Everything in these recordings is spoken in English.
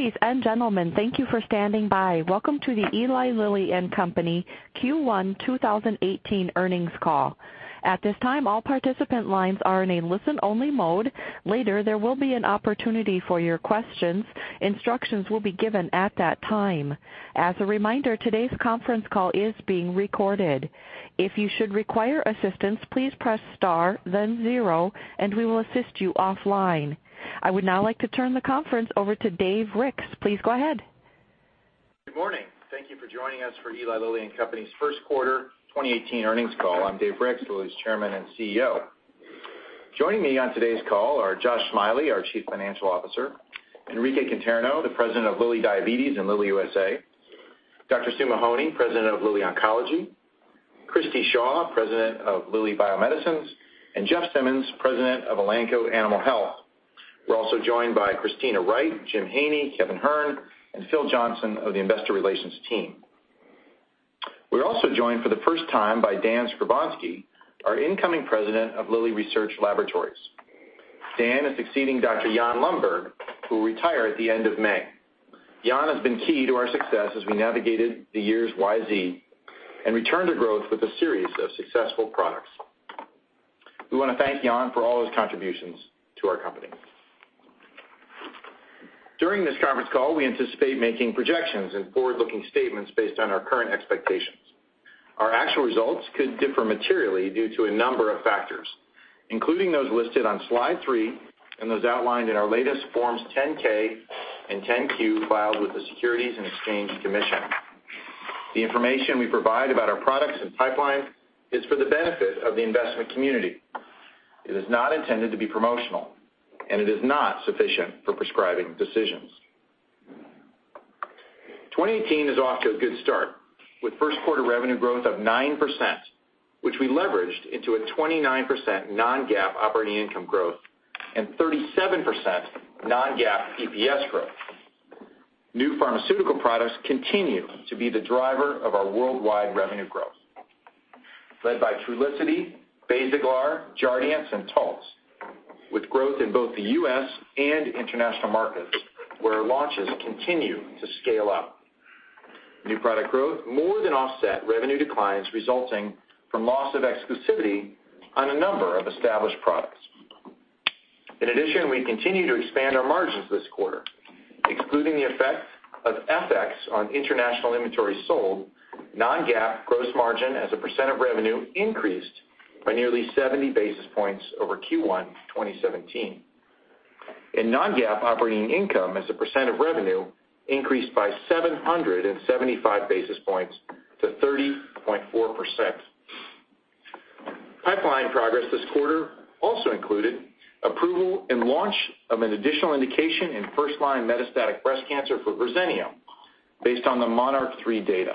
Ladies and gentlemen, thank you for standing by. Welcome to the Eli Lilly and Company Q1 2018 earnings call. At this time, all participant lines are in a listen-only mode. Later, there will be an opportunity for your questions. Instructions will be given at that time. As a reminder, today's conference call is being recorded. If you should require assistance, please press star, then zero, and we will assist you offline. I would now like to turn the conference over to David Ricks. Please go ahead. Good morning. Thank you for joining us for Eli Lilly and Company's first quarter 2018 earnings call. I'm Dave Ricks, Lilly's Chairman and CEO. Joining me on today's call are Josh Smiley, our Chief Financial Officer, Enrique Conterno, the President of Lilly Diabetes and Lilly USA, Dr. Sue Mahony, President of Lilly Oncology Christi Shaw, President of Lilly Bio-Medicines, and Jeff Simmons, President of Elanco Animal Health. We're also joined by Christina Wright, Jim Haney, Kevin Hern, and Phil Johnson of the investor relations team. We're also joined for the first time by Dan Skovronsky, our incoming president of Lilly Research Laboratories. Dan is succeeding Dr. Jan Lundberg, who will retire at the end of May. Jan has been key to our success as we navigated the years Y, Z and returned to growth with a series of successful products. During this conference call, we anticipate making projections and forward-looking statements based on our current expectations. Our actual results could differ materially due to a number of factors, including those listed on slide three and those outlined in our latest Forms 10-K and 10-Q filed with the Securities and Exchange Commission. The information we provide about our products and pipeline is for the benefit of the investment community. It is not intended to be promotional, and it is not sufficient for prescribing decisions. 2018 is off to a good start with first quarter revenue growth of 9%, which we leveraged into a 29% non-GAAP operating income growth and 37% non-GAAP EPS growth. New pharmaceutical products continue to be the driver of our worldwide revenue growth, led by Trulicity, Basaglar, Jardiance, and Taltz, with growth in both the U.S. and international markets, where our launches continue to scale up. New product growth more than offset revenue declines resulting from loss of exclusivity on a number of established products. In addition, we continue to expand our margins this quarter. Excluding the effect of FX on international inventory sold, non-GAAP gross margin as a percent of revenue increased by nearly 70 basis points over Q1 2017, and non-GAAP operating income as a percent of revenue increased by 775 basis points to 30.4%. Pipeline progress this quarter also included approval and launch of an additional indication in first-line metastatic breast cancer for Verzenio, based on the MONARCH 3 data,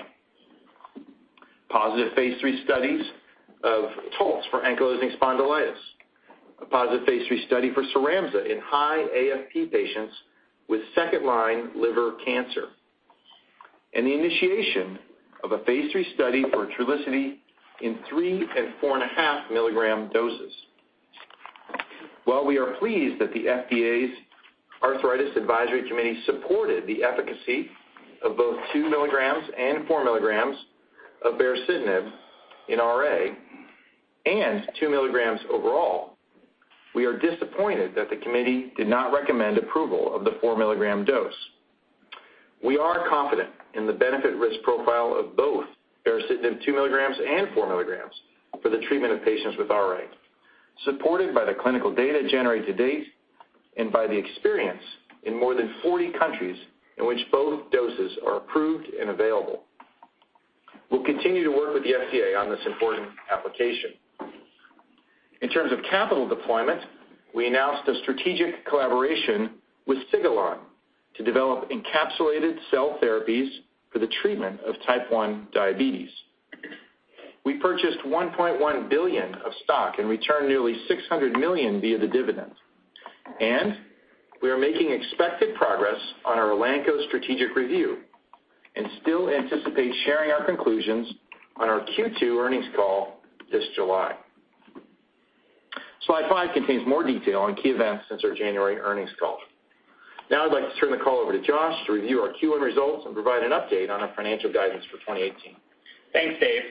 positive phase III studies of Taltz for ankylosing spondylitis, a positive phase III study for CYRAMZA in high AFP patients with second-line liver cancer, and the initiation of a phase III study for Trulicity in three and four and a half milligram doses. While we are pleased that the FDA's Arthritis Advisory Committee supported the efficacy of both 2 milligrams and 4 milligrams of baricitinib in RA, and 2 milligrams overall, we are disappointed that the committee did not recommend approval of the 4 milligram dose. We are confident in the benefit risk profile of both baricitinib 2 milligrams and 4 milligrams for the treatment of patients with RA, supported by the clinical data generated to date and by the experience in more than 40 countries in which both doses are approved and available. We'll continue to work with the FDA on this important application. In terms of capital deployment, we announced a strategic collaboration with Sigilon to develop encapsulated cell therapies for the treatment of type 1 diabetes. We purchased $1.1 billion of stock and returned nearly $600 million via the dividend, and we are making expected progress on our Elanco strategic review and still anticipate sharing our conclusions on our Q2 earnings call this July. Slide five contains more detail on key events since our January earnings call. I'd like to turn the call over to Josh to review our Q1 results and provide an update on our financial guidance for 2018. Thanks, Dave.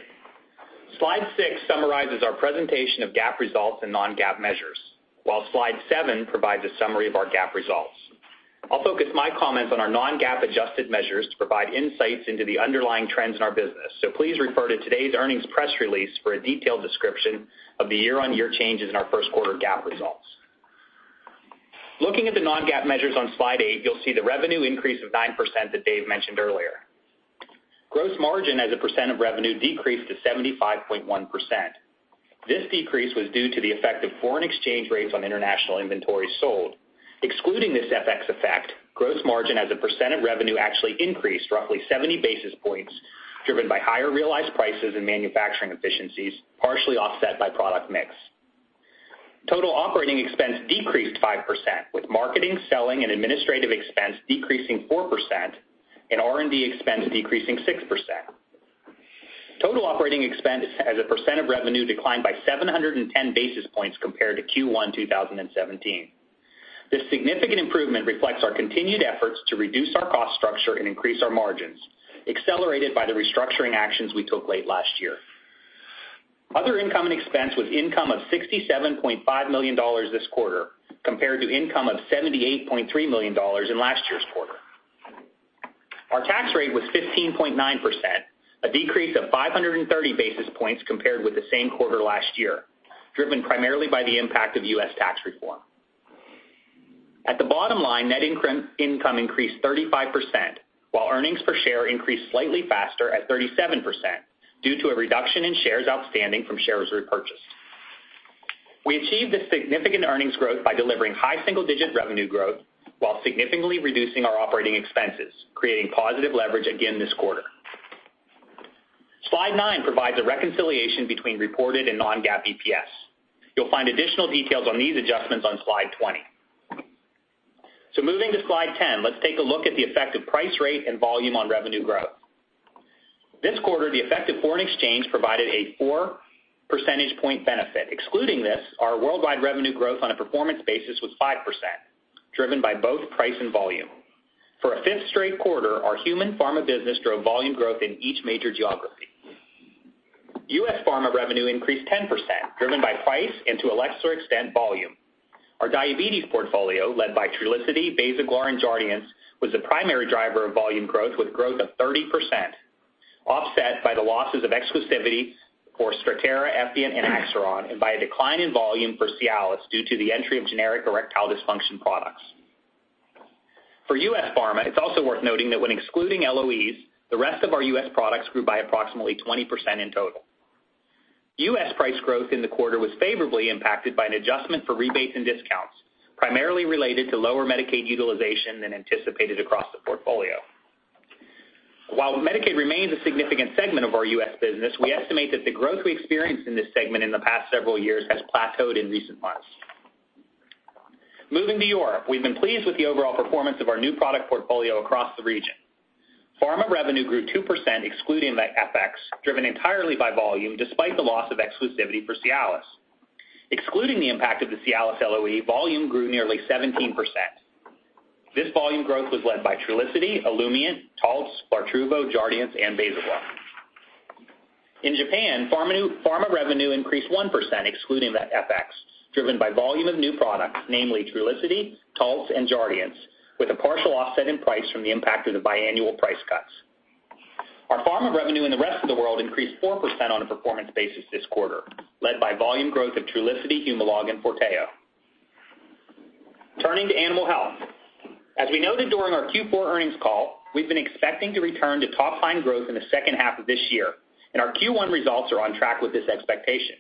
Slide six summarizes our presentation of GAAP results and non-GAAP measures, while slide seven provides a summary of our GAAP results. I'll focus my comments on our non-GAAP adjusted measures to provide insights into the underlying trends in our business. Please refer to today's earnings press release for a detailed description of the year-on-year changes in our first quarter GAAP results. Looking at the non-GAAP measures on slide eight, you'll see the revenue increase of 9% that Dave mentioned earlier. Gross margin as a percent of revenue decreased to 75.1%. This decrease was due to the effect of foreign exchange rates on international inventories sold. Excluding this FX effect, gross margin as a percent of revenue actually increased roughly 70 basis points, driven by higher realized prices and manufacturing efficiencies, partially offset by product mix. Total operating expense decreased 5%, with marketing, selling, and administrative expense decreasing 4% and R&D expense decreasing 6%. Total operating expense as a percent of revenue declined by 710 basis points compared to Q1 2017. This significant improvement reflects our continued efforts to reduce our cost structure and increase our margins, accelerated by the restructuring actions we took late last year. Other income and expense was income of $67.5 million this quarter, compared to income of $78.3 million in last year's quarter. Our tax rate was 15.9%, a decrease of 530 basis points compared with the same quarter last year, driven primarily by the impact of U.S. tax reform. At the bottom line, net income increased 35%, while earnings per share increased slightly faster at 37% due to a reduction in shares outstanding from shares repurchased. We achieved this significant earnings growth by delivering high single-digit revenue growth while significantly reducing our operating expenses, creating positive leverage again this quarter. Slide 9 provides a reconciliation between reported and non-GAAP EPS. You'll find additional details on these adjustments on slide 20. Moving to slide 10, let's take a look at the effect of price rate and volume on revenue growth. This quarter, the effect of foreign exchange provided a four percentage point benefit. Excluding this, our worldwide revenue growth on a performance basis was 5%, driven by both price and volume. For a fifth straight quarter, our human pharma business drove volume growth in each major geography. U.S. pharma revenue increased 10%, driven by price, and to a lesser extent, volume. Our diabetes portfolio, led by Trulicity, Basaglar, and Jardiance, was the primary driver of volume growth, with growth of 30%, offset by the losses of exclusivity for Strattera, Effient, and Axiron, and by a decline in volume for Cialis due to the entry of generic erectile dysfunction products. For U.S. pharma, it's also worth noting that when excluding LOEs, the rest of our U.S. products grew by approximately 20% in total. U.S. price growth in the quarter was favorably impacted by an adjustment for rebates and discounts, primarily related to lower Medicaid utilization than anticipated across the portfolio. While Medicaid remains a significant segment of our U.S. business, we estimate that the growth we experienced in this segment in the past several years has plateaued in recent months. Moving to Europe, we've been pleased with the overall performance of our new product portfolio across the region. Pharma revenue grew 2% excluding the FX, driven entirely by volume despite the loss of exclusivity for Cialis. Excluding the impact of the Cialis LOE, volume grew nearly 17%. This volume growth was led by Trulicity, Olumiant, Taltz, Lartruvo, Jardiance, and Basaglar. In Japan, pharma revenue increased 1%, excluding the FX, driven by volume of new products, namely Trulicity, Taltz, and Jardiance, with a partial offset in price from the impact of the biannual price cuts. Our pharma revenue in the rest of the world increased 4% on a performance basis this quarter, led by volume growth of Trulicity, Humalog, and FORTEO. Turning to animal health. As we noted during our Q4 earnings call, we've been expecting to return to top-line growth in the second half of this year, and our Q1 results are on track with this expectation.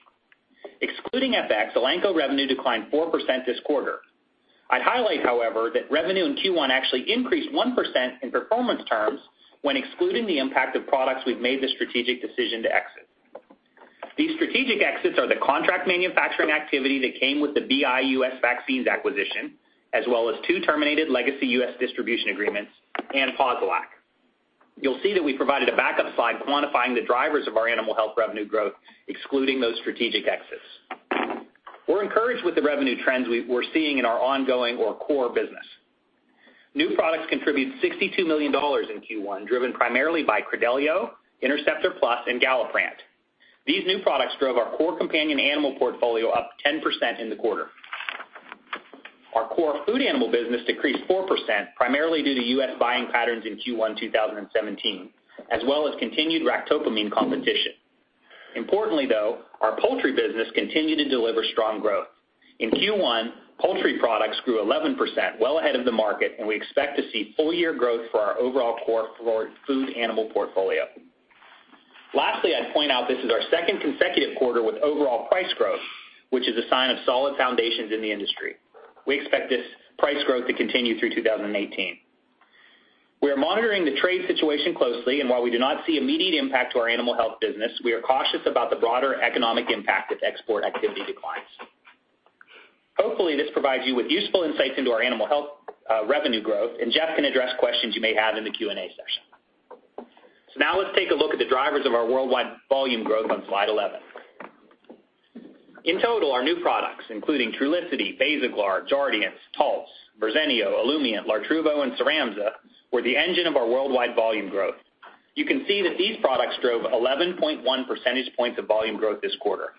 Excluding FX, Elanco revenue declined 4% this quarter. I'd highlight, however, that revenue in Q1 actually increased 1% in performance terms when excluding the impact of products we've made the strategic decision to exit. These strategic exits are the contract manufacturing activity that came with the BI U.S. Vaccines acquisition, as well as two terminated legacy U.S. distribution agreements and Posilac. You'll see that we provided a backup slide quantifying the drivers of our animal health revenue growth, excluding those strategic exits. We're encouraged with the revenue trends we're seeing in our ongoing or core business. New products contribute $62 million in Q1, driven primarily by Credelio, Interceptor Plus, and Galliprant. These new products drove our core companion animal portfolio up 10% in the quarter. Our core food animal business decreased 4%, primarily due to U.S. buying patterns in Q1 2017, as well as continued ractopamine competition. Importantly, though, our poultry business continued to deliver strong growth. In Q1, poultry products grew 11%, well ahead of the market, and we expect to see full-year growth for our overall core food animal portfolio. Lastly, I'd point out this is our second consecutive quarter with overall price growth, which is a sign of solid foundations in the industry. We expect this price growth to continue through 2018. We are monitoring the trade situation closely, and while we do not see immediate impact to our animal health business, we are cautious about the broader economic impact if export activity declines. Hopefully, this provides you with useful insights into our animal health revenue growth, and Jeff can address questions you may have in the Q&A session. Now let's take a look at the drivers of our worldwide volume growth on slide 11. In total, our new products, including Trulicity, Basaglar, Jardiance, Taltz, Verzenio, Olumiant, Lartruvo, and CYRAMZA, were the engine of our worldwide volume growth. You can see that these products drove 11.1 percentage points of volume growth this quarter.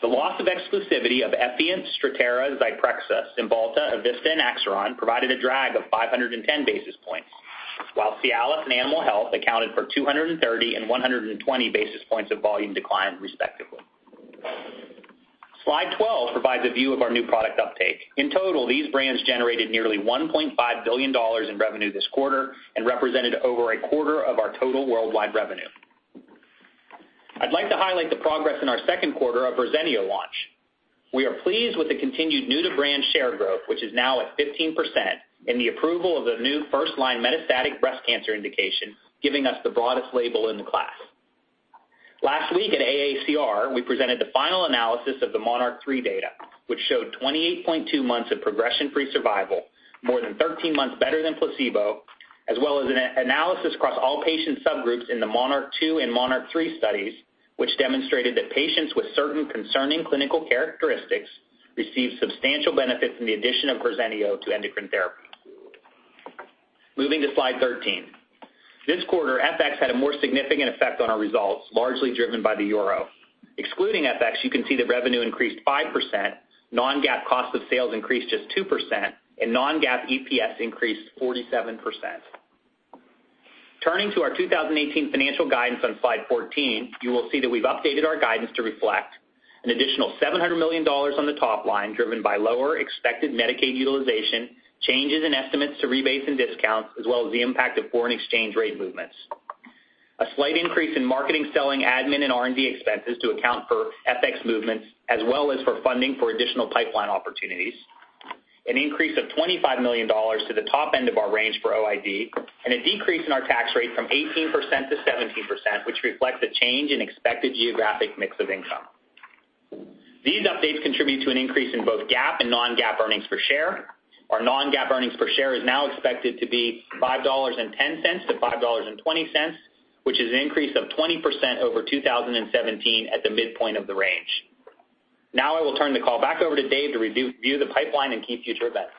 The loss of exclusivity of Effient, Strattera, Zyprexa, Cymbalta, Evista, and Axiron provided a drag of 510 basis points, while Cialis and Animal Health accounted for 230 and 120 basis points of volume decline, respectively. Slide 12 provides a view of our new product uptake. In total, these brands generated nearly $1.5 billion in revenue this quarter and represented over a quarter of our total worldwide revenue. I'd like to highlight the progress in our second quarter of Verzenio launch. We are pleased with the continued new-to-brand share growth, which is now at 15%, and the approval of the new first-line metastatic breast cancer indication, giving us the broadest label in the class. Last week at AACR, we presented the final analysis of the MONARCH 3 data, which showed 28.2 months of progression-free survival, more than 13 months better than placebo, as well as an analysis across all patient subgroups in the MONARCH 2 and MONARCH 3 studies, which demonstrated that patients with certain concerning clinical characteristics received substantial benefits from the addition of Verzenio to endocrine therapy. Moving to slide 13. This quarter, FX had a more significant effect on our results, largely driven by the euro. Excluding FX, you can see that revenue increased 5%, non-GAAP cost of sales increased just 2%, and non-GAAP EPS increased 47%. Turning to our 2018 financial guidance on slide 14, you will see that we've updated our guidance to reflect an additional $700 million on the top line, driven by lower expected Medicaid utilization, changes in estimates to rebates and discounts, as well as the impact of foreign exchange rate movements. A slight increase in marketing, selling, admin and R&D expenses to account for FX movements as well as for funding for additional pipeline opportunities. An increase of $25 million to the top end of our range for OID, and a decrease in our tax rate from 18% to 17%, which reflects a change in expected geographic mix of income. These updates contribute to an increase in both GAAP and non-GAAP earnings per share. Our non-GAAP earnings per share is now expected to be $5.10 to $5.20, which is an increase of 20% over 2017 at the midpoint of the range. I will turn the call back over to Dave to review the pipeline and key future events.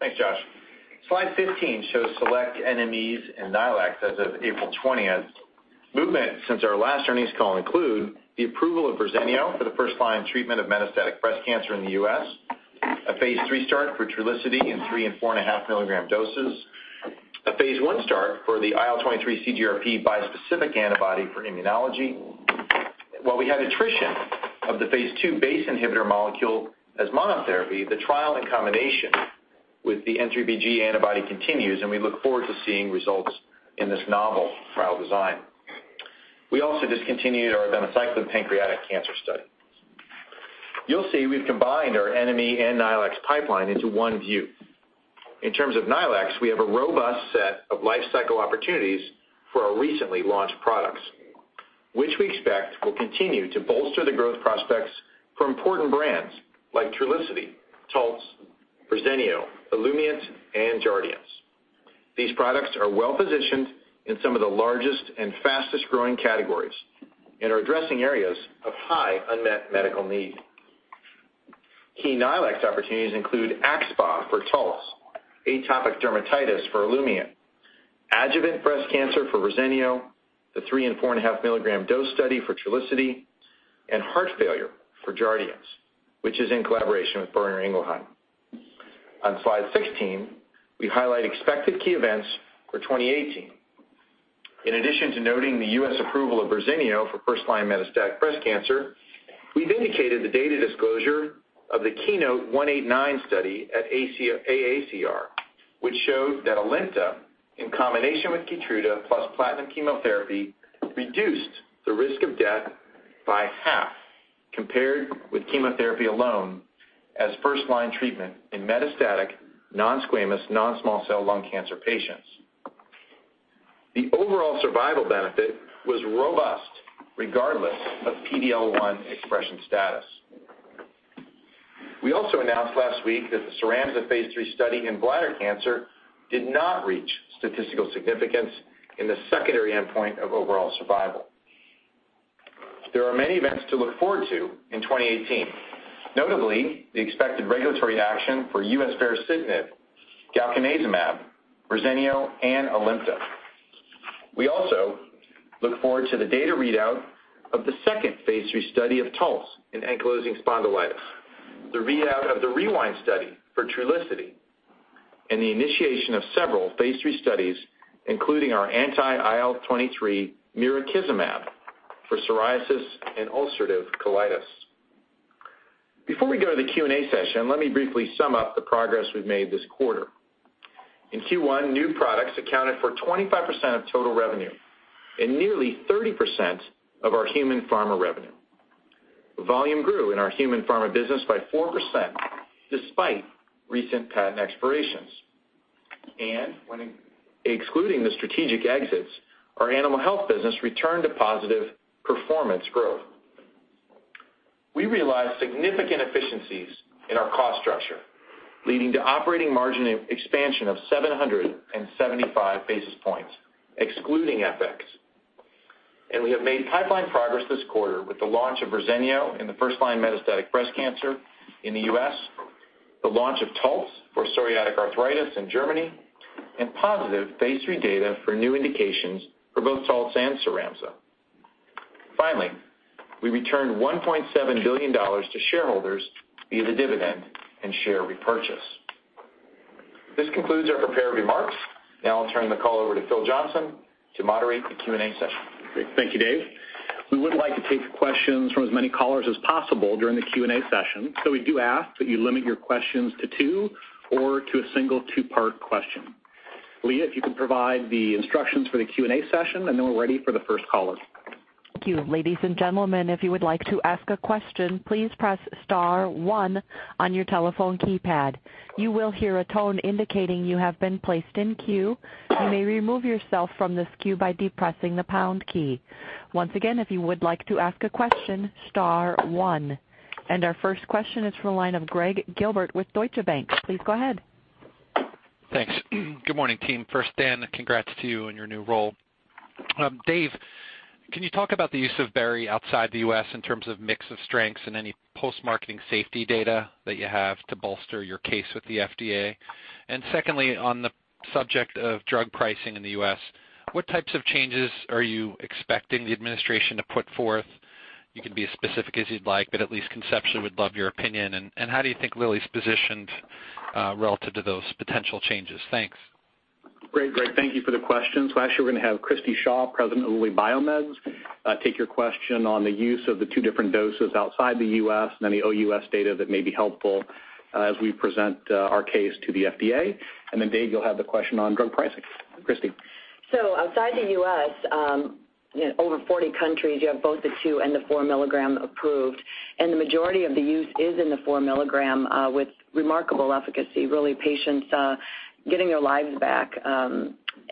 Thanks, Josh. Slide 15 shows select NMEs and NILEX as of April 20th. Movements since our last earnings call include the approval of Verzenio for the first-line treatment of metastatic breast cancer in the U.S., a phase III start for Trulicity in three and four and a half milligram doses, a phase I start for the IL-23/CGRP bispecific antibody for immunology. While we had attrition of the phase II BACE inhibitor molecule as monotherapy, the trial in combination with the N3pG antibody continues, and we look forward to seeing results in this novel trial design. We also discontinued our pegilodecakin pancreatic cancer study. You'll see we've combined our NME and NILEX pipeline into one view. In terms of NILEX, we have a robust set of life cycle opportunities for our recently launched products, which we expect will continue to bolster the growth prospects for important brands like Trulicity, Taltz, Verzenio, Olumiant, and Jardiance. These products are well-positioned in some of the largest and fastest-growing categories and are addressing areas of high unmet medical need. Key NILEX opportunities include axSpA for Taltz, atopic dermatitis for Olumiant, adjuvant breast cancer for Verzenio, the three and four and a half milligram dose study for Trulicity, and heart failure for Jardiance, which is in collaboration with Boehringer Ingelheim. On slide 16, we highlight expected key events for 2018. In addition to noting the U.S. approval of Verzenio for first-line metastatic breast cancer, we've indicated the data disclosure of the KEYNOTE-189 study at AACR, which showed that ALIMTA, in combination with KEYTRUDA plus platinum chemotherapy, reduced the risk of death by half compared with chemotherapy alone as first-line treatment in metastatic non-squamous, non-small cell lung cancer patients. The overall survival benefit was robust regardless of PD-L1 expression status. We also announced last week that the CYRAMZA phase III study in bladder cancer did not reach statistical significance in the secondary endpoint of overall survival. There are many events to look forward to in 2018, notably the expected regulatory action for U.S. baricitinib, galcanezumab, Verzenio, and ALIMTA. We also look forward to the data readout of the second phase III study of Taltz in ankylosing spondylitis, the readout of the REWIND study for Trulicity, and the initiation of several phase III studies, including our anti-IL-23 mirikizumab for psoriasis and ulcerative colitis. Before we go to the Q&A session, let me briefly sum up the progress we've made this quarter. In Q1, new products accounted for 25% of total revenue and nearly 30% of our human pharma revenue. Volume grew in our human pharma business by 4% despite recent patent expirations. When excluding the strategic exits, our animal health business returned to positive performance growth. We realized significant efficiencies in our cost structure, leading to operating margin expansion of 775 basis points, excluding FX. We have made pipeline progress this quarter with the launch of Verzenio in the first-line metastatic breast cancer in the U.S., the launch of Taltz for psoriatic arthritis in Germany, and positive phase III data for new indications for both Taltz and CYRAMZA. Finally, we returned $1.7 billion to shareholders via the dividend and share repurchase. This concludes our prepared remarks. Now I'll turn the call over to Philip Johnson to moderate the Q&A session. Great. Thank you, Dave. We would like to take questions from as many callers as possible during the Q&A session, so we do ask that you limit your questions to two or to a single two-part question. Leah, if you can provide the instructions for the Q&A session, then we're ready for the first caller. Thank you. Ladies and gentlemen, if you would like to ask a question, please press star one on your telephone keypad. You will hear a tone indicating you have been placed in queue. You may remove yourself from this queue by depressing the pound key. Once again, if you would like to ask a question, star one. Our first question is from the line of Gregg Gilbert with Deutsche Bank. Please go ahead. Thanks. Good morning, team. First, Dan, congrats to you on your new role. Dave, can you talk about the use of Olumiant outside the U.S. in terms of mix of strengths and any post-marketing safety data that you have to bolster your case with the FDA? Secondly, on the subject of drug pricing in the U.S., what types of changes are you expecting the administration to put forth? You can be as specific as you'd like, but at least conceptually, would love your opinion. How do you think Lilly's positioned relative to those potential changes? Thanks. Great, Gregg. Thank you for the questions. Well, actually, we're going to have Christi Shaw, President of Lilly Bio-Medicines, take your question on the use of the two different doses outside the U.S. and any OUS data that may be helpful as we present our case to the FDA. Then Dave, you'll have the question on drug pricing. Christi? Outside the U.S., in over 40 countries, you have both the two and the four milligram approved, and the majority of the use is in the four milligram, with remarkable efficacy, really, patients getting their lives back.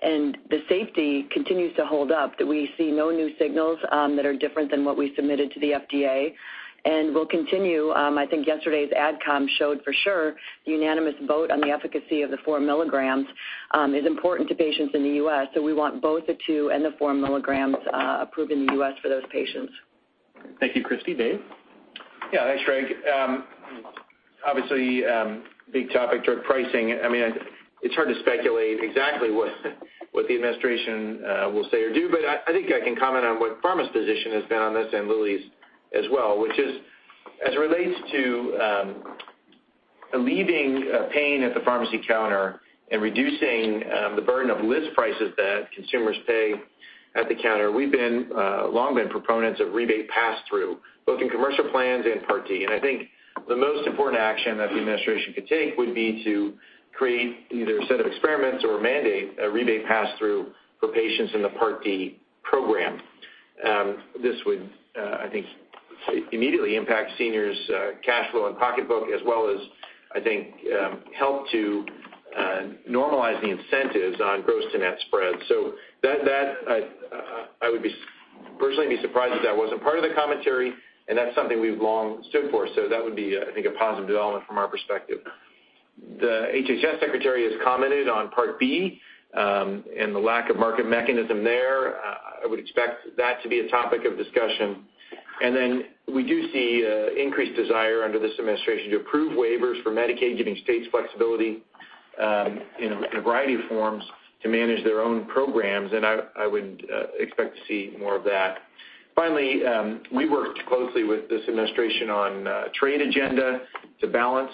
The safety continues to hold up, that we see no new signals that are different than what we submitted to the FDA. We'll continue. I think yesterday's AdCom showed for sure the unanimous vote on the efficacy of the four milligrams is important to patients in the U.S., so we want both the two and the four milligrams approved in the U.S. for those patients. Thank you, Christi. Dave? Thanks, Gregg. Obviously, big topic, drug pricing. It's hard to speculate exactly what the administration will say or do, but I think I can comment on what pharma's position has been on this and Lilly's as well, which is, as it relates to relieving pain at the pharmacy counter and reducing the burden of list prices that consumers pay at the counter, we've long been proponents of rebate pass-through, both in commercial plans and Part D. I think the most important action that the administration could take would be to create either a set of experiments or mandate a rebate pass-through for patients in the Part D program. This would, I think, immediately impact seniors' cash flow and pocketbook as well as, I think, help to normalize the incentives on gross to net spread. That I would personally be surprised if that wasn't part of the commentary, and that's something we've long stood for. That would be, I think, a positive development from our perspective. The HHS secretary has commented on Part B and the lack of market mechanism there. I would expect that to be a topic of discussion. Then we do see increased desire under this administration to approve waivers for Medicaid, giving states flexibility in a variety of forms to manage their own programs, and I would expect to see more of that. Finally, we worked closely with this administration on trade agenda to balance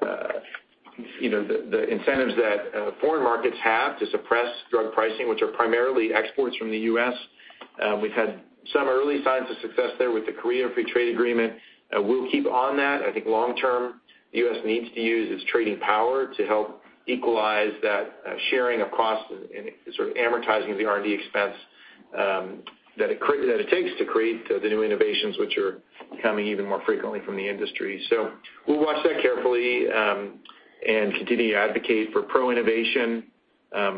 the incentives that foreign markets have to suppress drug pricing, which are primarily exports from the U.S. We've had some early signs of success there with the U.S.-Korea Free Trade Agreement. We'll keep on that. I think long term, the U.S. needs to use its trading power to help equalize that sharing of cost and sort of amortizing the R&D expense that it takes to create the new innovations which are coming even more frequently from the industry. We'll watch that carefully and continue to advocate for pro-innovation,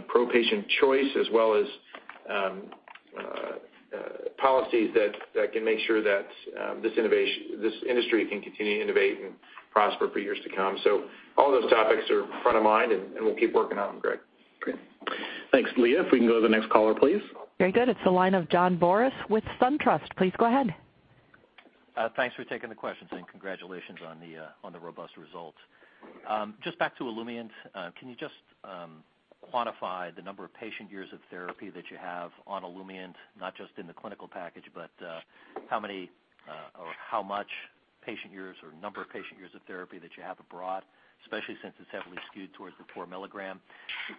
pro-patient choice, as well as policies that can make sure that this industry can continue to innovate and prosper for years to come. All those topics are front of mind, and we'll keep working on them, Gregg. Great. Thanks. Leah, if we can go to the next caller, please. Very good. It is the line of John Boris with SunTrust. Please go ahead. Thanks for taking the questions and congratulations on the robust results. Just back to Olumiant, can you just quantify the number of patient years of therapy that you have on Olumiant, not just in the clinical package, but how many or how much patient years or number of patient years of therapy that you have abroad, especially since it is heavily skewed towards the four milligram?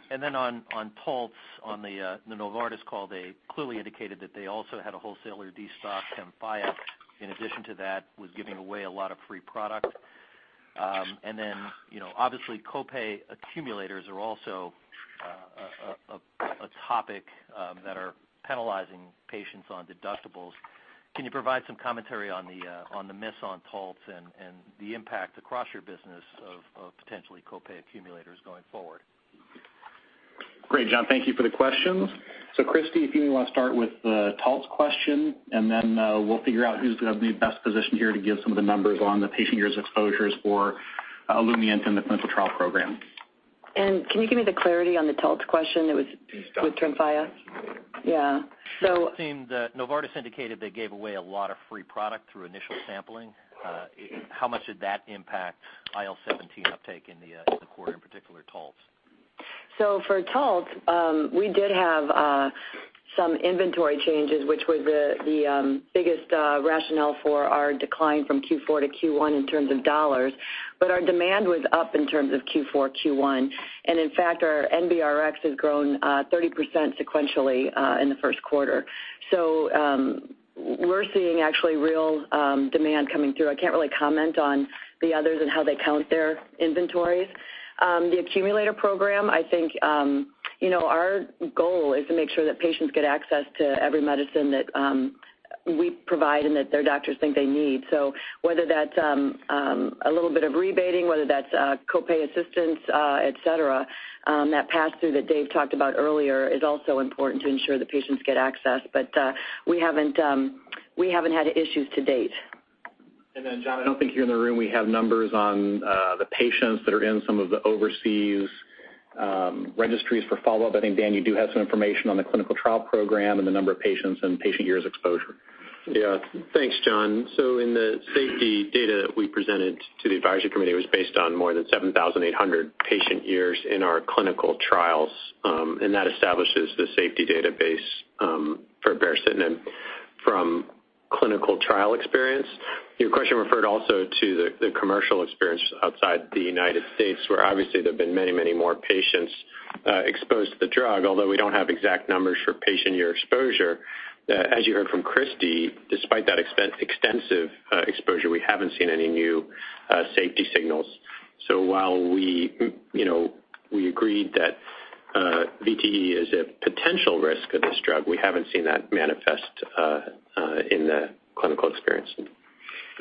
Then on Taltz, on the Novartis call, they clearly indicated that they also had a wholesaler destock, TREMFYA, in addition to that, was giving away a lot of free product. And obviously copay accumulators are also a topic that are penalizing patients on deductibles. Can you provide some commentary on the miss on Taltz and the impact across your business of potentially copay accumulators going forward? Great, John. Thank you for the questions. Christi, if you want to start with the Taltz question, and then we will figure out who is going to be best positioned here to give some of the numbers on the patient years exposures for Olumiant and the clinical trial program. Can you give me the clarity on the Taltz question? It was with TYMLOS. It seemed that Novartis indicated they gave away a lot of free product through initial sampling. How much did that impact IL-17 uptake in the quarter, in particular, Taltz? For Taltz, we did have some inventory changes, which was the biggest rationale for our decline from Q4 to Q1 in terms of dollars. Our demand was up in terms of Q4, Q1, and in fact, our NBRX has grown 30% sequentially in the first quarter. We're seeing actually real demand coming through. I can't really comment on the others and how they count their inventories. The accumulator program, I think, our goal is to make sure that patients get access to every medicine that we provide and that their doctors think they need. Whether that's a little bit of rebating, whether that's co-pay assistance, et cetera, that pass-through that Dave talked about earlier is also important to ensure that patients get access. We haven't had issues to date. John, I don't think you're in the room. We have numbers on the patients that are in some of the overseas registries for follow-up. I think, Dan, you do have some information on the clinical trial program and the number of patients and patient years exposure. Yeah. Thanks, John. In the safety data we presented to the advisory committee, it was based on more than 7,800 patient years in our clinical trials. That establishes the safety database for baricitinib from clinical trial experience. Your question referred also to the commercial experience outside the United States, where obviously there have been many more patients exposed to the drug, although we don't have exact numbers for patient year exposure. As you heard from Christi, despite that extensive exposure, we haven't seen any new safety signals. While we agreed that VTE is a potential risk of this drug, we haven't seen that manifest in the clinical experience.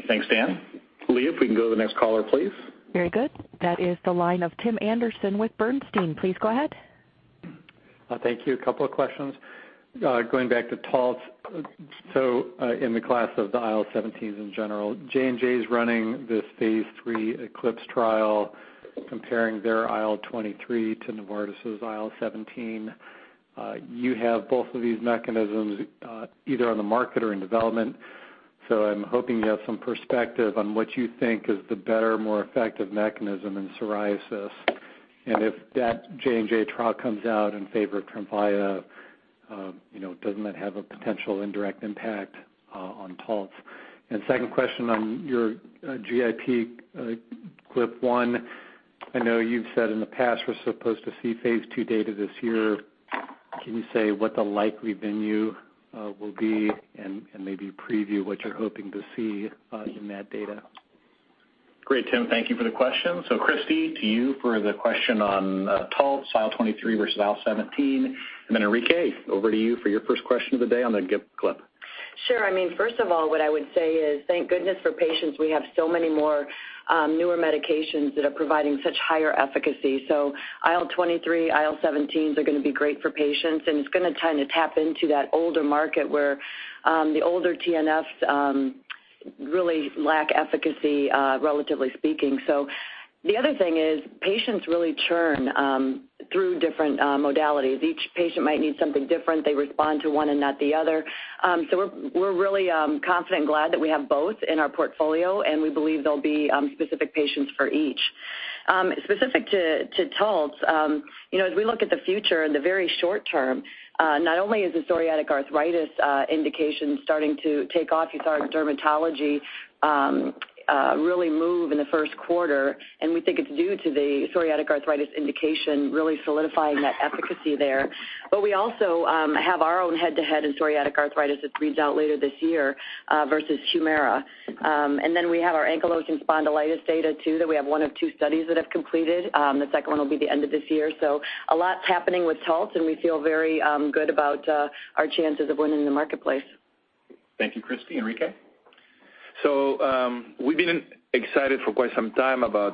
Thanks, Dan. Leah, if we can go to the next caller, please. Very good. That is the line of Tim Anderson with Bernstein. Please go ahead. Thank you. A couple of questions. Going back to Taltz, in the class of the IL-17s in general, J&J's running this phase III ECLIPSE trial comparing their IL-23 to Novartis' IL-17. You have both of these mechanisms either on the market or in development, I'm hoping you have some perspective on what you think is the better, more effective mechanism in psoriasis. If that J&J trial comes out in favor of TREMFYA, doesn't that have a potential indirect impact on Taltz? Second question on your GIP GLP-1, I know you've said in the past we're supposed to see phase II data this year. Can you say what the likely venue will be and maybe preview what you're hoping to see in that data? Tim. Thank you for the question. Christi, to you for the question on Taltz, IL-23 versus IL-17. Enrique, over to you for your first question of the day on the GIP GLP. Sure. First of all, what I would say is, thank goodness for patients we have so many more newer medications that are providing such higher efficacy. IL-23, IL-17s are going to be great for patients, and it's going to tap into that older market where the older TNFs really lack efficacy, relatively speaking. The other thing is patients really churn through different modalities. Each patient might need something different. They respond to one and not the other. We're really confident and glad that we have both in our portfolio, and we believe there'll be specific patients for each. Specific to Taltz, as we look at the future in the very short term, not only is the psoriatic arthritis indication starting to take off, you saw our dermatology really move in the first quarter, and we think it's due to the psoriatic arthritis indication really solidifying that efficacy there. We also have our own head-to-head in psoriatic arthritis that reads out later this year versus HUMIRA. We have our ankylosing spondylitis data too, that we have one of two studies that have completed. The second one will be the end of this year. A lot's happening with Taltz, and we feel very good about our chances of winning in the marketplace. Thank you, Christi. Enrique? We've been excited for quite some time about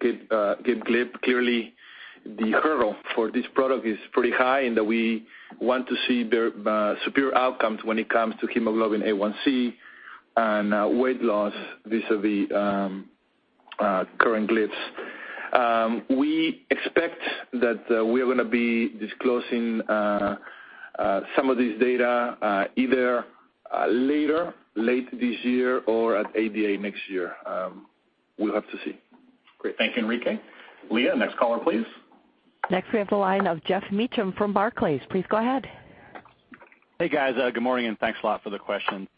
GIP GLP. Clearly, the hurdle for this product is pretty high in that we want to see superior outcomes when it comes to hemoglobin A1C and weight loss vis-a-vis current GLPs. We expect that we are going to be disclosing some of this data either later, late this year or at ADA next year. We'll have to see. Great. Thank you, Enrique. Leah, next caller, please. Next, we have the line of Geoff Meacham from Barclays. Please go ahead. Hey, guys. Good morning, and thanks a lot for the questions.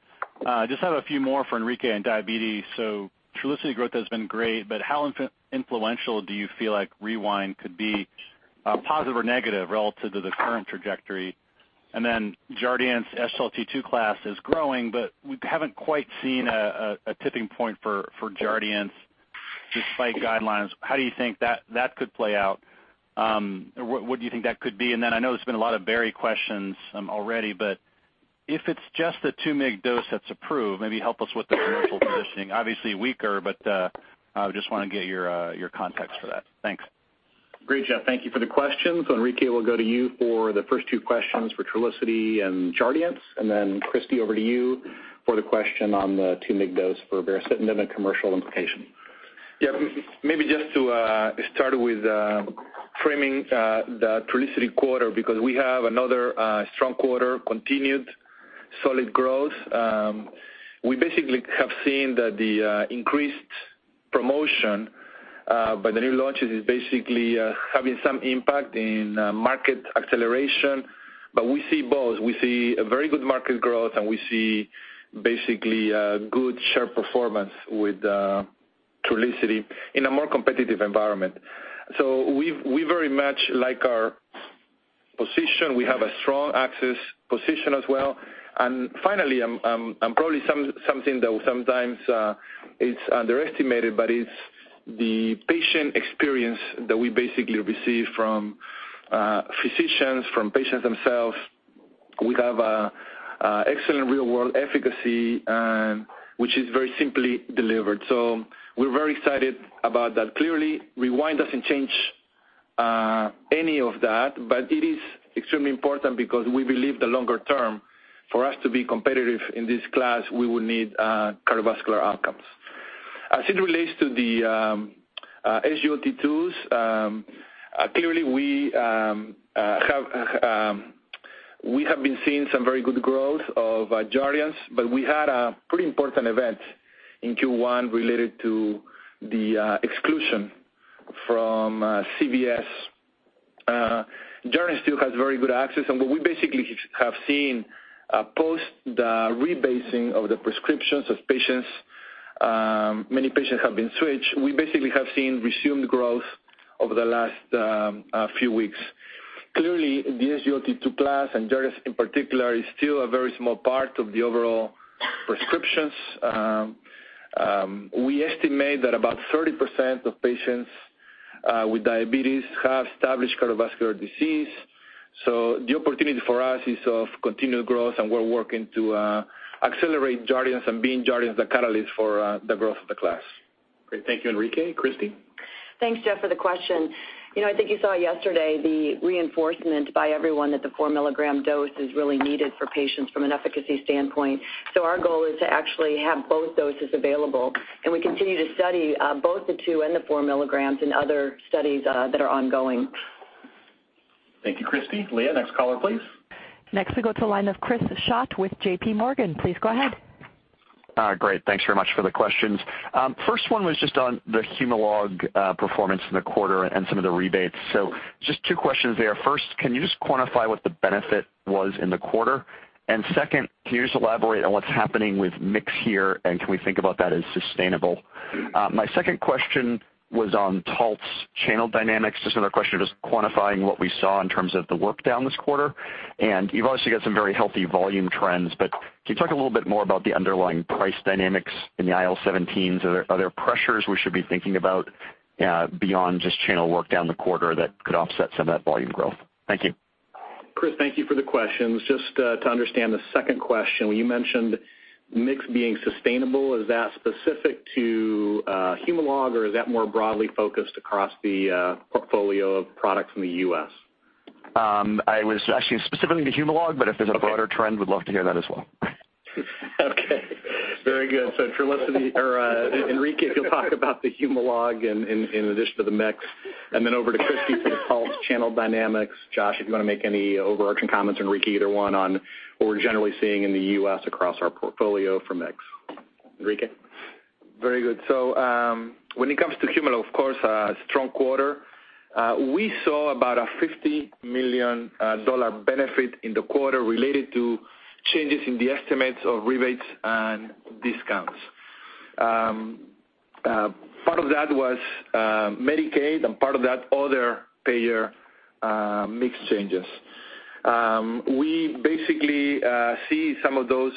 Just have a few more for Enrique on diabetes. Trulicity growth has been great, but how influential do you feel like REWIND could be, positive or negative, relative to the current trajectory? Jardiance SGLT2 class is growing, but we haven't quite seen a tipping point for Jardiance despite guidelines. How do you think that could play out? What do you think that could be? I know there's been a lot of baricitinib questions already, but if it's just the 2 mg dose that's approved, maybe help us with the commercial positioning. Obviously weaker, but I just want to get your context for that. Thanks. Great, Geoff. Thank you for the questions. Enrique, we'll go to you for the first two questions for Trulicity and Jardiance, then Kristi, over to you for the question on the 2 mg dose for baricitinib and commercial implication. Yeah. Maybe just to start with framing the Trulicity quarter, we have another strong quarter, continued solid growth. We basically have seen that the increased promotion by the new launches is basically having some impact in market acceleration. We see both. We see a very good market growth, and we see basically a good share performance with Trulicity in a more competitive environment. We very much like our position. We have a strong access position as well. Finally, and probably something that sometimes is underestimated, but it's the patient experience that we basically receive from physicians, from patients themselves. We have an excellent real-world efficacy, which is very simply delivered. We're very excited about that. Clearly, REWIND doesn't change any of that, but it is extremely important because we believe the longer term, for us to be competitive in this class, we will need cardiovascular outcomes. As it relates to the SGLT2s, clearly we have been seeing some very good growth of Jardiance, but we had a pretty important event in Q1 related to the exclusion from CVS. Jardiance still has very good access, and what we basically have seen post the rebasing of the prescriptions of patients, many patients have been switched. We basically have seen resumed growth over the last few weeks. Clearly, the SGLT2 class, and Jardiance in particular, is still a very small part of the overall prescriptions. We estimate that about 30% of patients with diabetes have established cardiovascular disease. The opportunity for us is of continued growth, and we're working to accelerate Jardiance and being Jardiance the catalyst for the growth of the class. Great. Thank you, Enrique. Christi? Thanks, Geoff, for the question. I think you saw yesterday the reinforcement by everyone that the 4-milligram dose is really needed for patients from an efficacy standpoint. Our goal is to actually have both doses available, and we continue to study both the 2 and the 4 milligrams in other studies that are ongoing. Thank you, Christi. Leah, next caller, please. Next, we go to the line of Christopher Schott with J.P. Morgan. Please go ahead. Great. Thanks very much for the questions. First one was just on the Humalog performance in the quarter and some of the rebates. Just two questions there. First, can you just quantify what the benefit was in the quarter? Second, can you just elaborate on what's happening with mix here, and can we think about that as sustainable? My second question was on Taltz channel dynamics. Just another question, just quantifying what we saw in terms of the workdown this quarter. You've obviously got some very healthy volume trends, but can you talk a little bit more about the underlying price dynamics in the IL-17s? Are there pressures we should be thinking about beyond just channel workdown the quarter that could offset some of that volume growth? Thank you. Chris, thank you for the questions. Just to understand the second question, when you mentioned mix being sustainable, is that specific to Humalog or is that more broadly focused across the portfolio of products in the U.S.? It was actually specifically to Humalog, but if there's a broader trend, would love to hear that as well. Okay, very good. Enrique, if you'll talk about the Humalog in addition to the mix, and then over to Christi for the Taltz channel dynamics. Josh, if you want to make any overarching comments, Enrique, either one, on what we're generally seeing in the U.S. across our portfolio for mix. Enrique? Very good. When it comes to Humalog, of course, a strong quarter. We saw about a $50 million benefit in the quarter related to changes in the estimates of rebates and discounts. Part of that was Medicaid and part of that other payer mix changes. We basically see some of those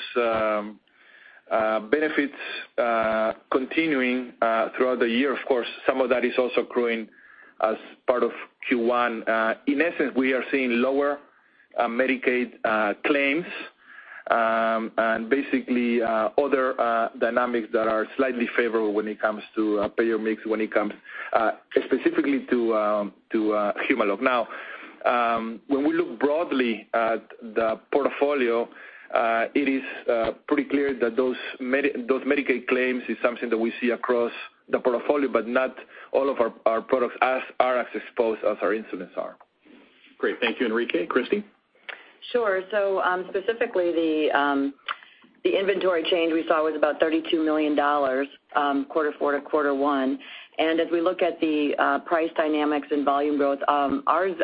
benefits continuing throughout the year. Of course, some of that is also accruing as part of Q1. In essence, we are seeing lower Medicaid claims and basically other dynamics that are slightly favorable when it comes to payer mix, when it comes specifically to Humalog. When we look broadly at the portfolio, it is pretty clear that those Medicaid claims is something that we see across the portfolio, but not all of our products are as exposed as our insulins are. Great. Thank you, Enrique. Christi? Sure. Specifically, the inventory change we saw was about $32 million, quarter four to quarter one. As we look at the price dynamics and volume growth, ours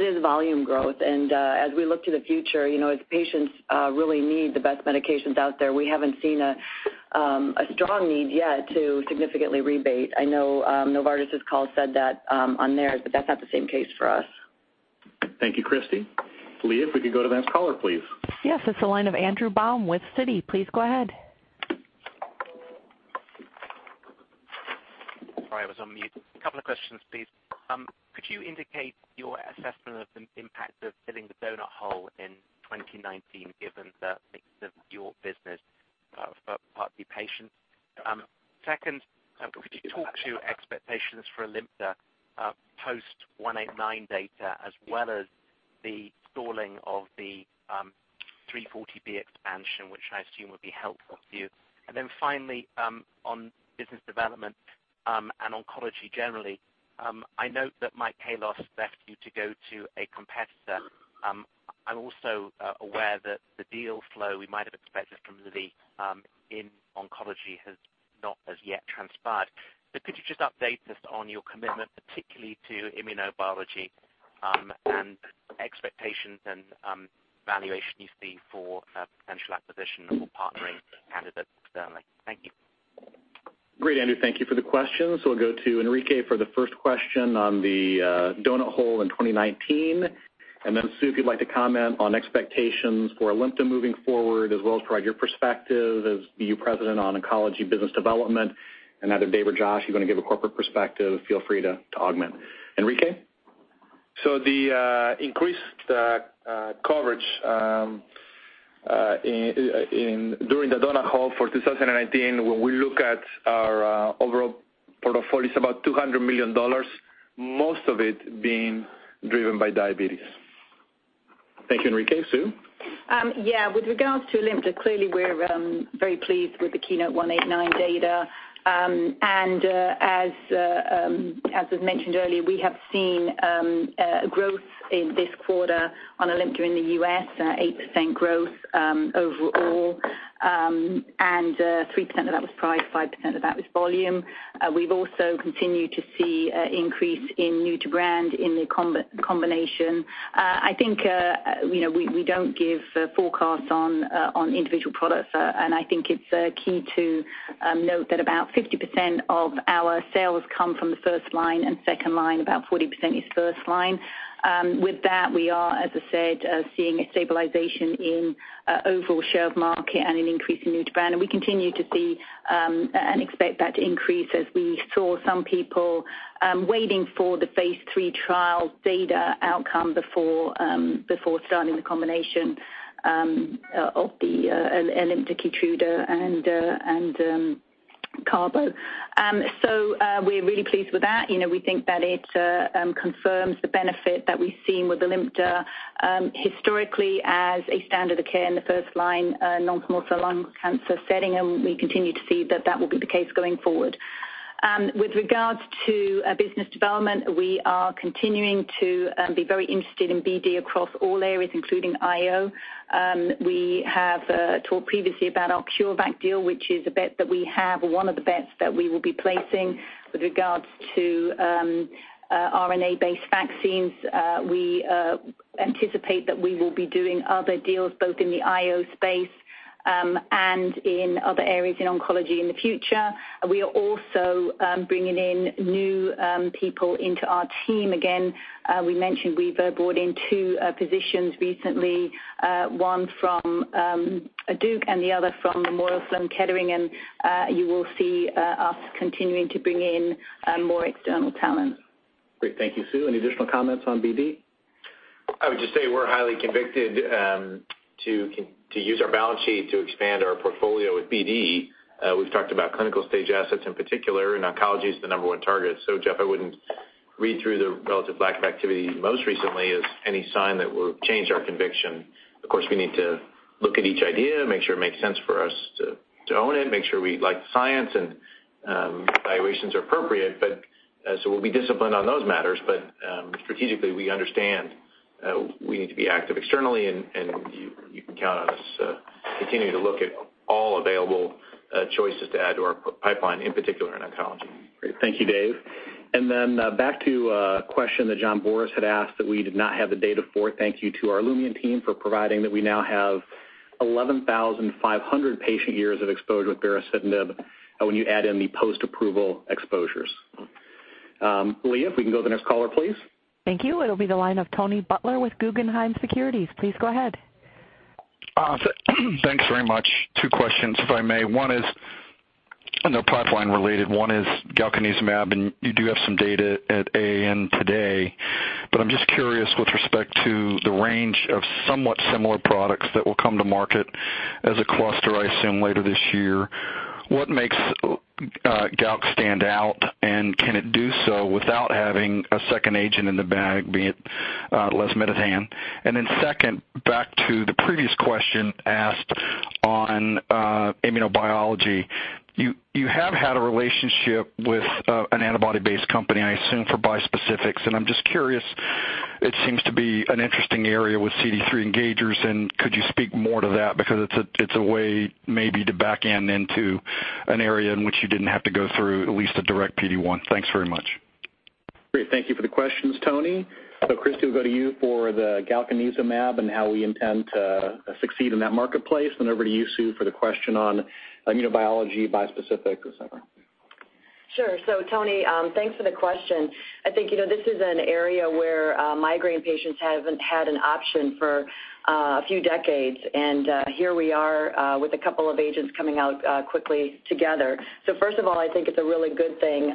is volume growth. As we look to the future, as patients really need the best medications out there, we haven't seen a strong need yet to significantly rebate. I know Novartis' call said that on theirs, but that's not the same case for us. Thank you, Christi. Leah, if we could go to the next caller, please. Yes, it's the line of Andrew Baum with Citi. Please go ahead. Sorry, I was on mute. A couple of questions, please. Could you indicate your assessment of the impact of filling the doughnut hole in 2019, given the mix of your business for Part D patients? Second, could you talk to expectations for ALIMTA post-189 data as well as the stalling of the 340B expansion, which I assume would be helpful to you. Finally, on business development and oncology generally, I note that Michael Kalos left you to go to a competitor. I'm also aware that the deal flow we might have expected from Lilly in oncology has not as yet transpired. Could you just update us on your commitment, particularly to immunobiology and expectations and valuation you see for potential acquisition or partnering candidates externally? Thank you. Great, Andrew. Thank you for the question. We'll go to Enrique for the first question on the doughnut hole in 2019, Sue, if you'd like to comment on expectations for ALIMTA moving forward, as well as provide your perspective as EU president on oncology business development. Either Dave or Josh, you want to give a corporate perspective, feel free to augment. Enrique? The increased coverage during the doughnut hole for 2019, when we look at our overall portfolio, it's about $200 million, most of it being driven by diabetes. Thank you, Enrique. Sue? Yeah. With regards to ALIMTA, clearly we're very pleased with the KEYNOTE-189 data. As was mentioned earlier, we have seen growth in this quarter on ALIMTA in the U.S., 8% growth overall, and 3% of that was price, 5% of that was volume. We've also continued to see increase in new to brand in the combination. I think we don't give forecasts on individual products. I think it's key to note that about 50% of our sales come from the first line and second line, about 40% is first line. With that, we are, as I said, seeing a stabilization in overall share of market and an increase in new to brand. We continue to see and expect that to increase as we saw some people waiting for the phase III trial data outcome before starting the combination of the ALIMTA-KEYTRUDA and carbo. We're really pleased with that. We think that it confirms the benefit that we've seen with ALIMTA historically as a standard of care in the first-line non-small cell lung cancer setting, and we continue to see that that will be the case going forward. With regards to business development, we are continuing to be very interested in BD across all areas, including IO. We have talked previously about our CureVac deal, which is a bet that we have, or one of the bets that we will be placing with regards to RNA-based vaccines. We anticipate that we will be doing other deals both in the IO space and in other areas in oncology in the future. We are also bringing in new people into our team. Again, we mentioned we've brought in two physicians recently, one from Duke and the other from Memorial Sloan Kettering, and you will see us continuing to bring in more external talent. Great. Thank you, Sue. Any additional comments on BD? I would just say we're highly convicted to use our balance sheet to expand our portfolio with BD. We've talked about clinical-stage assets in particular, and oncology is the number one target. Jeff, I wouldn't read through the relative lack of activity most recently as any sign that we'll change our conviction. Of course, we need to look at each idea, make sure it makes sense for us to own it, make sure we like the science, and valuations are appropriate. We'll be disciplined on those matters. Strategically, we understand we need to be active externally, and you can count on us continuing to look at all available choices to add to our pipeline, in particular in oncology. Great. Thank you, Dave. Back to a question that John Boris had asked that we did not have the data for. Thank you to our Olumiant team for providing that we now have 11,500 patient years of exposure with baricitinib when you add in the post-approval exposures. Leah, if we can go to the next caller, please. Thank you. It'll be the line of Tony Butler with Guggenheim Securities. Please go ahead. Thanks very much. Two questions, if I may. One is pipeline related, one is galcanezumab, and you do have some data at AAN today. I'm just curious with respect to the range of somewhat similar products that will come to market as Erclasta, I assume, later this year. What makes galc stand out, and can it do so without having a second agent in the bag, be it lasmiditan? Second, back to the previous question asked on immunobiology. You have had a relationship with an antibody-based company, I assume, for bispecifics, and I'm just curious, it seems to be an interesting area with CD3 engagers, and could you speak more to that? It's a way maybe to back end into an area in which you didn't have to go through at least a direct PD-1. Thanks very much. Great. Thank you for the questions, Tony. Christi, we'll go to you for the galcanezumab and how we intend to succeed in that marketplace, then over to you, Sue, for the question on immunobiology, bispecific, et cetera. Sure. Tony, thanks for the question. I think this is an area where migraine patients haven't had an option for a few decades, here we are with a couple of agents coming out quickly together. First of all, I think it's a really good thing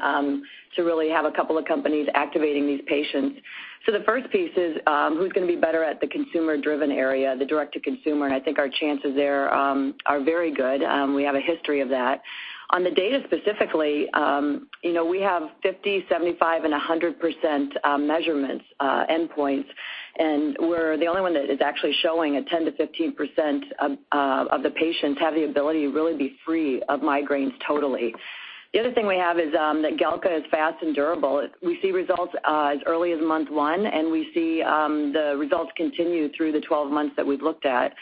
to really have a couple of companies activating these patients. The first piece is who's going to be better at the consumer-driven area, the direct-to-consumer, I think our chances there are very good. We have a history of that. On the data specifically, we have 50, 75, and 100% measurements endpoints, we're the only one that is actually showing a 10%-15% of the patients have the ability to really be free of migraines totally. The other thing we have is that galca is fast and durable. We see results as early as month 1, we see the results continue through the 12 months that we've looked at.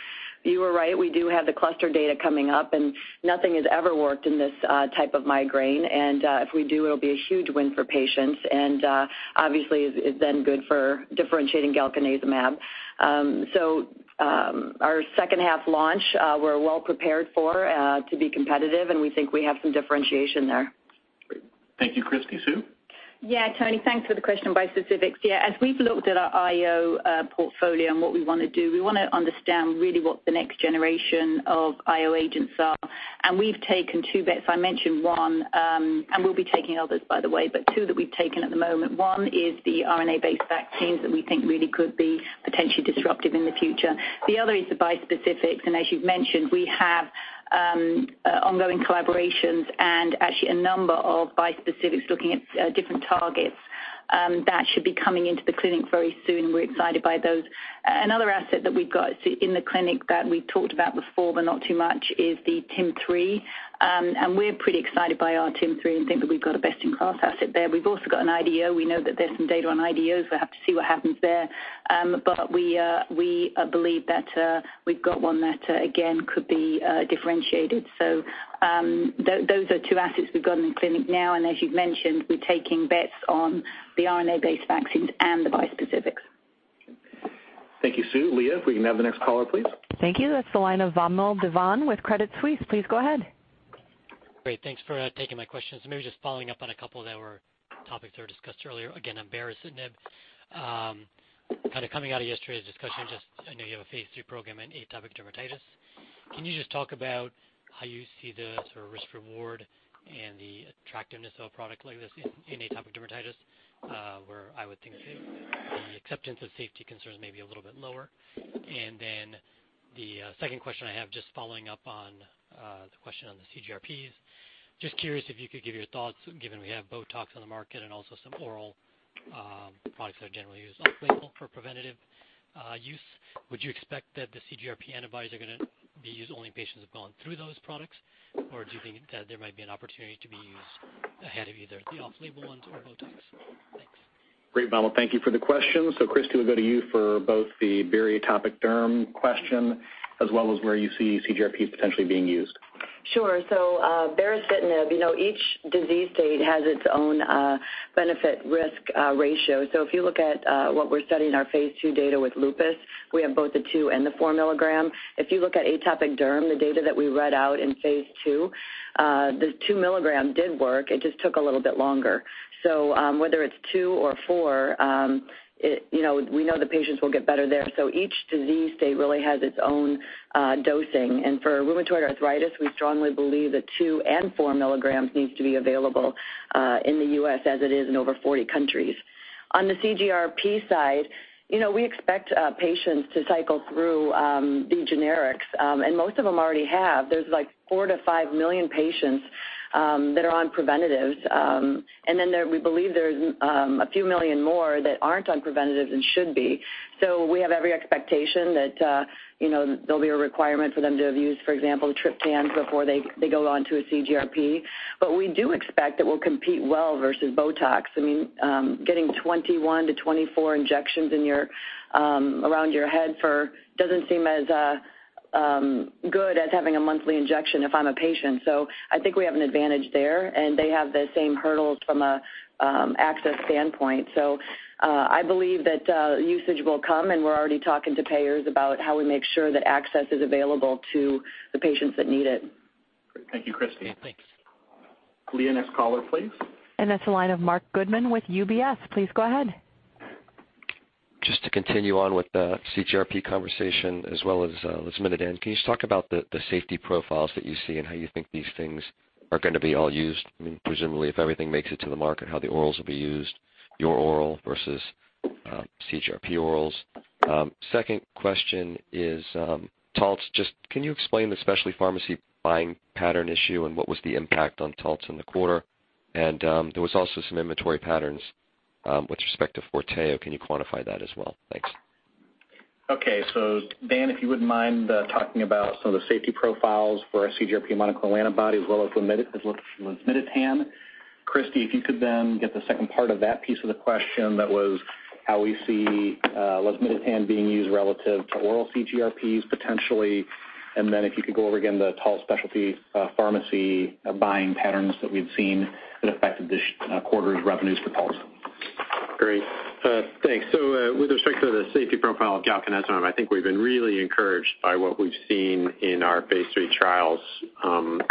You are right, we do have the cluster data coming up, nothing has ever worked in this type of migraine, if we do, it'll be a huge win for patients, obviously is then good for differentiating galcanezumab. Our second half launch, we're well prepared for to be competitive, we think we have some differentiation there. Thank you, Christi. Sue? Yeah, Tony, thanks for the question on bispecifics. Yeah, as we've looked at our IO portfolio and what we want to do, we want to understand really what the next generation of IO agents are. We've taken two bets. I mentioned one, and we'll be taking others, by the way, but two that we've taken at the moment. One is the RNA-based vaccines that we think really could be potentially disruptive in the future. The other is the bispecifics, and as you've mentioned, we have ongoing collaborations and actually a number of bispecifics looking at different targets that should be coming into the clinic very soon, and we're excited by those. Another asset that we've got in the clinic that we talked about before, but not too much, is the TIM-3. We're pretty excited by our TIM-3 and think that we've got a best-in-class asset there. We've also got an IDO. We know that there's some data on IDOs. We'll have to see what happens there. We believe that we've got one that, again, could be differentiated. Those are two assets we've got in the clinic now, and as you've mentioned, we're taking bets on the RNA-based vaccines and the bispecifics. Thank you, Sue. Leah, if we can have the next caller, please. Thank you. That's the line of Vamil Divan with Credit Suisse. Please go ahead. Great. Thanks for taking my questions. Maybe just following up on a couple topics that were discussed earlier. Again, baricitinib. Coming out of yesterday's discussion, I know you have a phase III program in atopic dermatitis. Can you just talk about how you see the risk-reward and the attractiveness of a product like this in atopic dermatitis, where I would think the acceptance of safety concerns may be a little bit lower? The second question I have, just following up on the question on the CGRPs. Just curious if you could give your thoughts, given we have BOTOX on the market and also some oral products that are generally used off-label for preventative use. Would you expect that the CGRP antibodies are going to be used only in patients who have gone through those products? Do you think that there might be an opportunity to be used ahead of either the off-label ones or BOTOX? Thanks. Great, Vamil. Thank you for the question. Christi, we'll go to you for both the bari atopic derm question as well as where you see CGRP potentially being used. Sure. baricitinib, each disease state has its own benefit-risk ratio. If you look at what we're studying in our phase II data with lupus, we have both the two and the four milligram. If you look at atopic derm, the data that we read out in phase II, the two milligram did work. It just took a little bit longer. Whether it's two or four, we know the patients will get better there. Each disease state really has its own dosing. For rheumatoid arthritis, we strongly believe that two and four milligrams needs to be available in the U.S. as it is in over 40 countries. On the CGRP side, we expect patients to cycle through the generics, most of them already have. There's four to five million patients that are on preventatives. We believe there's a few million more that aren't on preventatives and should be. We have every expectation that there'll be a requirement for them to have used, for example, triptans before they go on to a CGRP. We do expect that we'll compete well versus BOTOX. Getting 21 to 24 injections around your head doesn't seem as good as having a monthly injection if I'm a patient. I think we have an advantage there, they have the same hurdles from an access standpoint. I believe that usage will come, we're already talking to payers about how we make sure that access is available to the patients that need it. Great. Thank you, Christi. Yeah, thanks. Leah, next caller, please. That's the line of Marc Goodman with UBS. Please go ahead. Just to continue on with the CGRP conversation as well as lasmiditan, can you just talk about the safety profiles that you see and how you think these things are going to be all used? Presumably, if everything makes it to the market, how the orals will be used, your oral versus CGRP orals. Second question is, Taltz. Just can you explain the specialty pharmacy buying pattern issue, and what was the impact on Taltz in the quarter? There was also some inventory patterns with respect to FORTEO. Can you quantify that as well? Thanks. Okay. Dan, if you wouldn't mind talking about some of the safety profiles for our CGRP monoclonal antibody as well as lasmiditan. Christi, if you could then get the second part of that piece of the question that was how we see lasmiditan being used relative to oral CGRPs potentially, if you could go over again the Taltz specialty pharmacy buying patterns that we've seen that affected this quarter's revenues for Taltz. Great. Thanks. With respect to the safety profile of galcanezumab, I think we've been really encouraged by what we've seen in our phase III trials on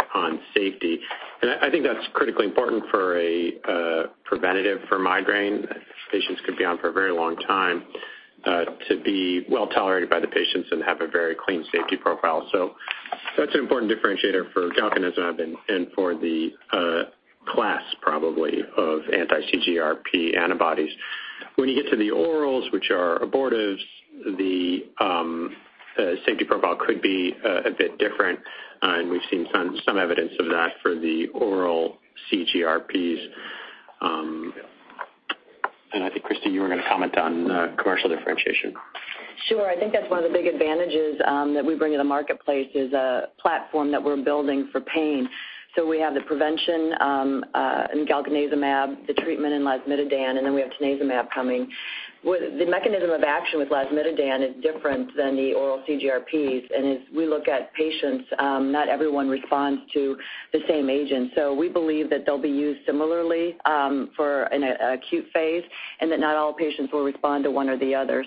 safety. I think that's critically important for a preventative for migraine that patients could be on for a very long time to be well-tolerated by the patients and have a very clean safety profile. That's an important differentiator for galcanezumab and for the class, probably, of anti-CGRP antibodies. When you get to the orals, which are abortives, the safety profile could be a bit different, and we've seen some evidence of that for the oral CGRPs. I think, Christi, you were going to comment on commercial differentiation. Sure. I think that's one of the big advantages that we bring to the marketplace is a platform that we're building for pain. We have the prevention in galcanezumab, the treatment in lasmiditan, we have tanezumab coming. The mechanism of action with lasmiditan is different than the oral CGRPs, as we look at patients, not everyone responds to the same agent. We believe that they'll be used similarly for an acute phase, that not all patients will respond to one or the other.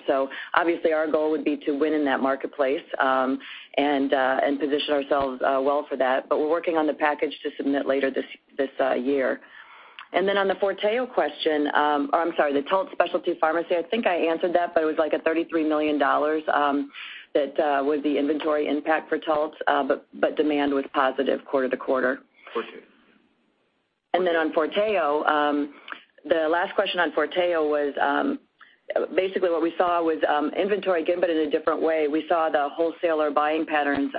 Obviously, our goal would be to win in that marketplace and position ourselves well for that. We're working on the package to submit later this year. On the FORTEO question, or I'm sorry, the Taltz Specialty Pharmacy, I think I answered that, but it was like a $33 million that was the inventory impact for Taltz, demand was positive quarter-to-quarter. FORTEO. On FORTEO, the last question on FORTEO was, basically what we saw was inventory, again, but in a different way. We saw the wholesaler buying patterns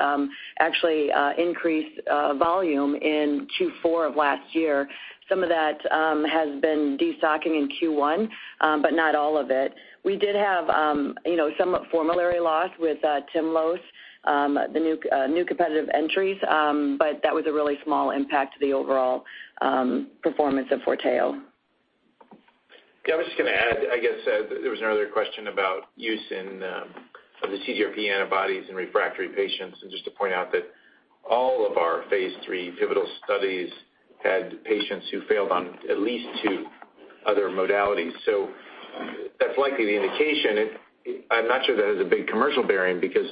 actually increase volume in Q4 of last year. Some of that has been de-stocking in Q1, but not all of it. We did have somewhat formulary loss with TYMLOS, the new competitive entries. That was a really small impact to the overall performance of FORTEO. I was just going to add, there was another question about use in the CGRP antibodies in refractory patients. Just to point out that all of our phase III pivotal studies had patients who failed on at least two other modalities. That's likely the indication. I'm not sure that has a big commercial bearing, because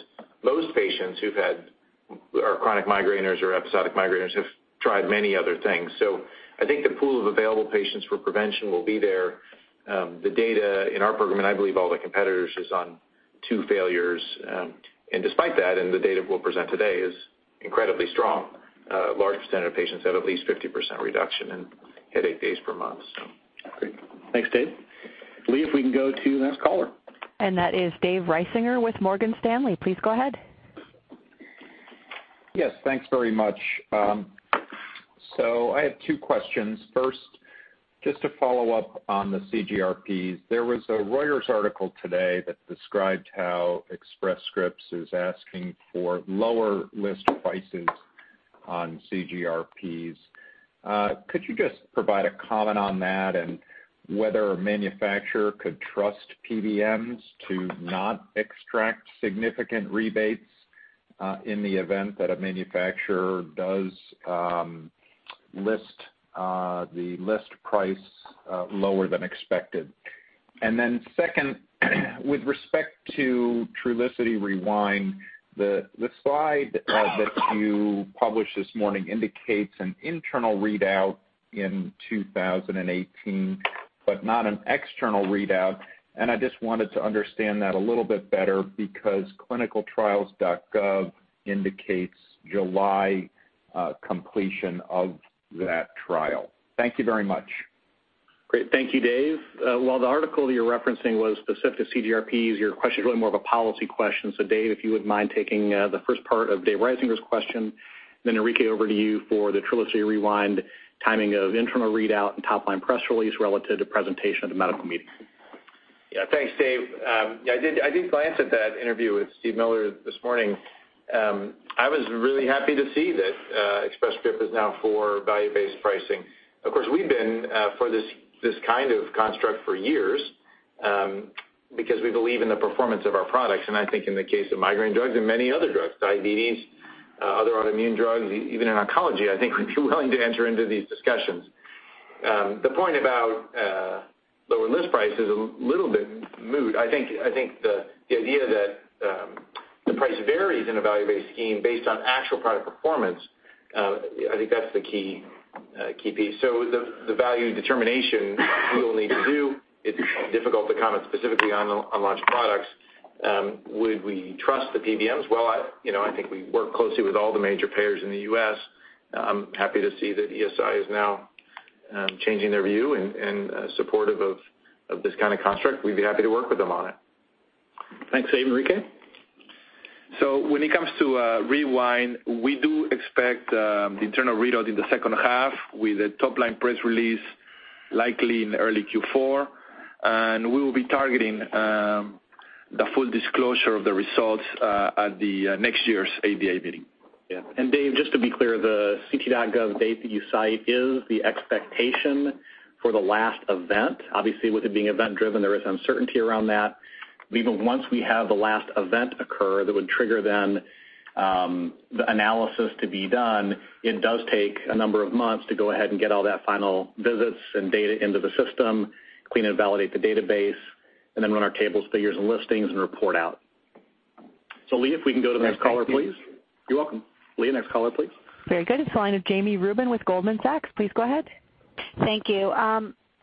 most patients who are chronic migrainers or episodic migrainers, have tried many other things. I think the pool of available patients for prevention will be there. The data in our program, and I believe all the competitors, is on two failures. Despite that, the data we'll present today is incredibly strong. A large percent of patients have at least 50% reduction in headache days per month. Great. Thanks, Dave. Leah, if we can go to the next caller. That is David Risinger with Morgan Stanley. Please go ahead. Yes, thanks very much. I have two questions. First, just to follow up on the CGRPs. There was a Reuters article today that described how Express Scripts is asking for lower list prices on CGRPs. Could you just provide a comment on that and whether a manufacturer could trust PBMs to not extract significant rebates in the event that a manufacturer does list the list price lower than expected? Second, with respect to Trulicity REWIND, the slide that you published this morning indicates an internal readout in 2018, but not an external readout. I just wanted to understand that a little bit better because clinicaltrials.gov indicates July completion of that trial. Thank you very much. Great. Thank you, Dave. While the article you're referencing was specific to CGRPs, your question is really more of a policy question. Dave, if you wouldn't mind taking the first part of David Risinger's question, then Enrique, over to you for the Trulicity REWIND timing of internal readout and top-line press release relative to presentation at the medical meeting. Yeah. Thanks, Dave. I did glance at that interview with Steve Miller this morning. I was really happy to see that Express Scripts is now for value-based pricing. Of course, we've been for this kind of construct for years, because we believe in the performance of our products, and I think in the case of migraine drugs and many other drugs, diabetes, other autoimmune drugs, even in oncology, I think we'd be willing to enter into these discussions. The point about lower list price is a little bit moot. I think the idea that the price varies in a value-based scheme based on actual product performance, I think that's the key piece. The value determination we will need to do. It's difficult to comment specifically on unlaunched products. Would we trust the PBMs? Well, I think we work closely with all the major payers in the U.S. I'm happy to see that ESI is now changing their view and supportive of this kind of construct. We'd be happy to work with them on it. Thanks, Dave. Enrique? When it comes to REWIND, we do expect the internal readout in the second half with a top-line press release likely in early Q4. We will be targeting the full disclosure of the results at the next year's ADA meeting. Yeah. Dave, just to be clear, the ct.gov date that you cite is the expectation for the last event. Obviously, with it being event-driven, there is uncertainty around that. Even once we have the last event occur that would trigger then the analysis to be done, it does take a number of months to go ahead and get all that final visits and data into the system, clean and validate the database, and then run our tables, figures, and listings and report out. Lee, if we can go to the next caller, please. Thanks. You're welcome. Lee, next caller, please. Very good. It's the line of Jami Rubin with Goldman Sachs. Please go ahead. Thank you.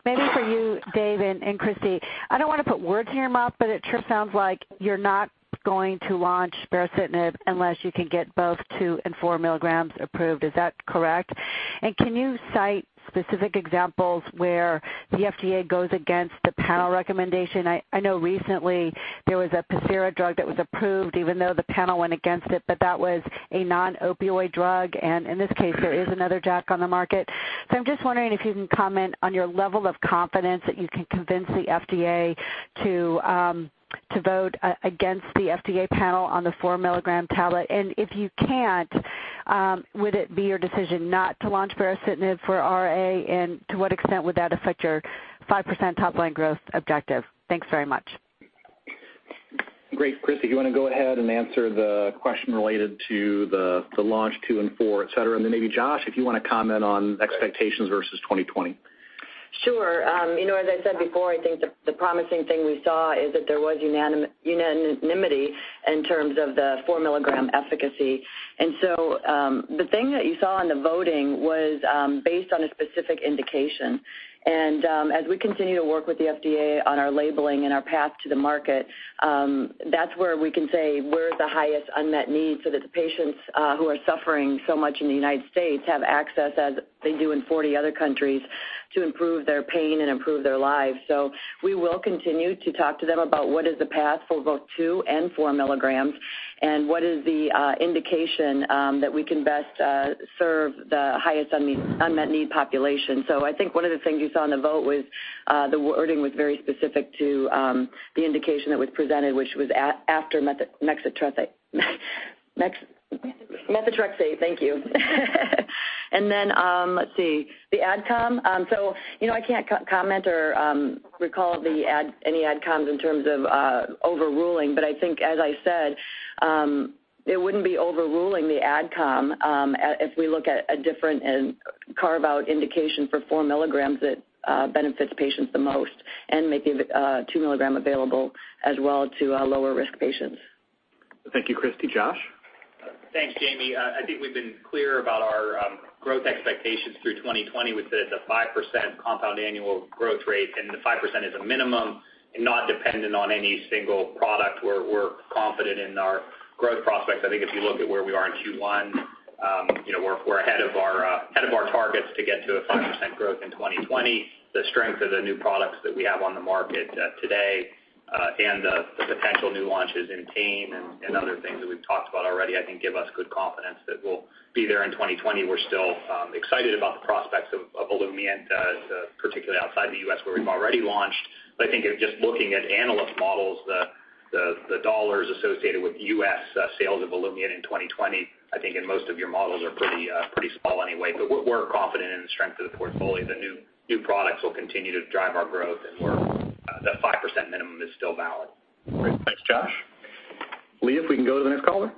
Maybe for you, Dave and Christi, I don't want to put words in your mouth, but it sure sounds like you're not going to launch baricitinib unless you can get both two and four milligrams approved. Is that correct? Can you cite specific examples where the FDA goes against the panel recommendation? I know recently there was a Pacira drug that was approved even though the panel went against it, but that was a non-opioid drug. In this case, there is another JAK on the market. I'm just wondering if you can comment on your level of confidence that you can convince the FDA to vote against the FDA panel on the four-milligram tablet. If you can't, would it be your decision not to launch baricitinib for RA? To what extent would that affect your 5% top-line growth objective? Thanks very much. Great. Christi, you want to go ahead and answer the question related to the launch two and four, et cetera, then maybe Josh, if you want to comment on expectations versus 2020. Sure. As I said before, I think the promising thing we saw is that there was unanimity in terms of the four-milligram efficacy. The thing that you saw in the voting was based on a specific indication. As we continue to work with the FDA on our labeling and our path to the market, that's where we can say where's the highest unmet need so that the patients who are suffering so much in the U.S. have access as they do in 40 other countries to improve their pain and improve their lives. We will continue to talk to them about what is the path for both two and four milligrams and what is the indication that we can best serve the highest unmet need population. I think one of the things you saw in the vote was, the wording was very specific to the indication that was presented, which was after methotrexate. Thank you. Let's see, the AdCom. I can't comment or recall any AdComs in terms of overruling. I think, as I said, it wouldn't be overruling the AdCom, if we look at a different and carve out indication for 4 milligrams that benefits patients the most and making 2 milligram available as well to lower risk patients. Thank you, Kristy. Josh? Thanks, Jami. I think we've been clear about our growth expectations through 2020. We said it's a 5% compound annual growth rate, and the 5% is a minimum and not dependent on any single product. We're confident in our growth prospects. I think if you look at where we are in Q1, we're ahead of our targets to get to a 5% growth in 2020. The strength of the new products that we have on the market today and the potential new launches in team and other things that we've talked about already, I think give us good confidence that we'll be there in 2020. We're still excited about the prospects of Olumiant, particularly outside the U.S. where we've already launched. I think if just looking at analyst models, the dollars associated with U.S. sales of Olumiant in 2020, I think in most of your models are pretty small anyway. We're confident in the strength of the portfolio. The new products will continue to drive our growth, and that 5% minimum is still valid. Great. Thanks, Josh. Leah, if we can go to the next caller.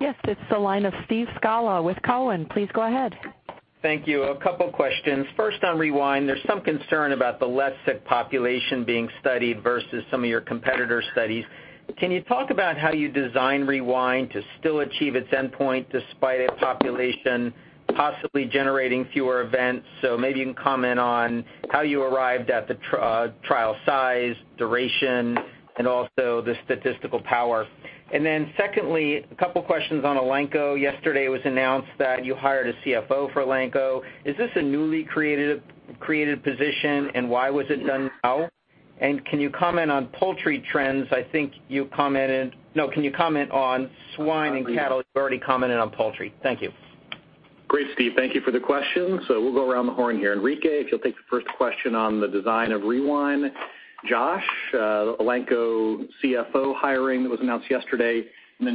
Yes. It's the line of Steve Scala with Cowen. Please go ahead. Thank you. A couple questions. First, on REWIND, there's some concern about the less sick population being studied versus some of your competitor studies. Can you talk about how you design REWIND to still achieve its endpoint despite a population possibly generating fewer events? Maybe you can comment on how you arrived at the trial size, duration, and also the statistical power. Secondly, a couple questions on Elanco. Yesterday it was announced that you hired a CFO for Elanco. Is this a newly created position, and why was it done now? Can you comment on poultry trends? Can you comment on swine and cattle? You've already commented on poultry. Thank you. Great, Steve, thank you for the question. We'll go around the horn here. Enrique, if you'll take the first question on the design of REWIND. Josh, Elanco CFO hiring that was announced yesterday.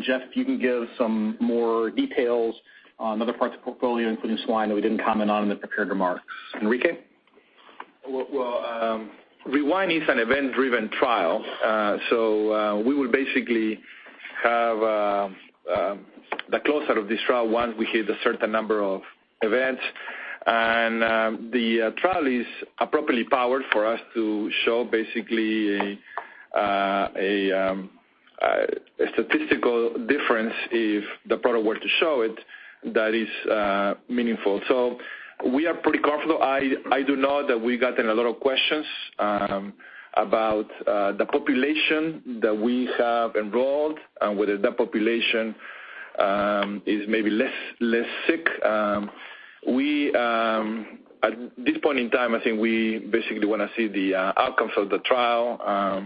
Jeff, if you can give some more details on other parts of the portfolio, including swine, that we didn't comment on in the prepared remarks. Enrique? REWIND is an event-driven trial. We will basically have the close-out of this trial once we hit a certain number of events. The trial is appropriately powered for us to show basically a statistical difference if the product were to show it that is meaningful. We are pretty confident. I do know that we've gotten a lot of questions about the population that we have enrolled and whether that population is maybe less sick. At this point in time, I think I basically want to see the outcomes of the trial.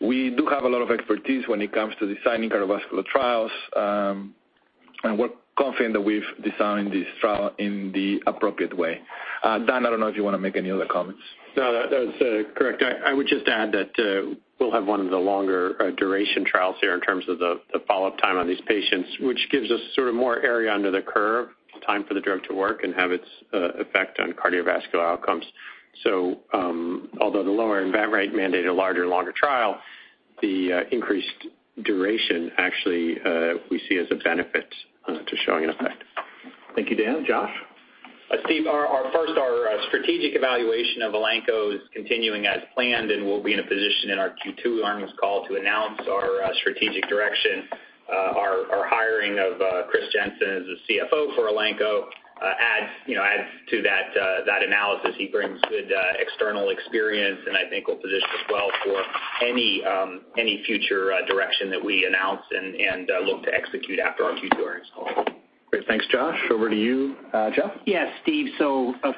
We do have a lot of expertise when it comes to designing cardiovascular trials. We're confident that we've designed this trial in the appropriate way. Dan, I don't know if you want to make any other comments. No, that's correct. I would just add that we'll have one of the longer duration trials here in terms of the follow-up time on these patients, which gives us sort of more area under the curve, time for the drug to work and have its effect on cardiovascular outcomes. Although the lower event rate mandated a larger, longer trial, the increased duration actually we see as a benefit to showing an effect. Thank you, Dan. Josh? Steve, first, our strategic evaluation of Elanco is continuing as planned, and we'll be in a position in our Q2 earnings call to announce our strategic direction. Our hiring of Christopher Jensen as the CFO for Elanco adds to that analysis. He brings good external experience and I think will position us well for any future direction that we announce and look to execute after our Q2 earnings call. Great. Thanks, Josh. Over to you, Jeff. Yes, Steve.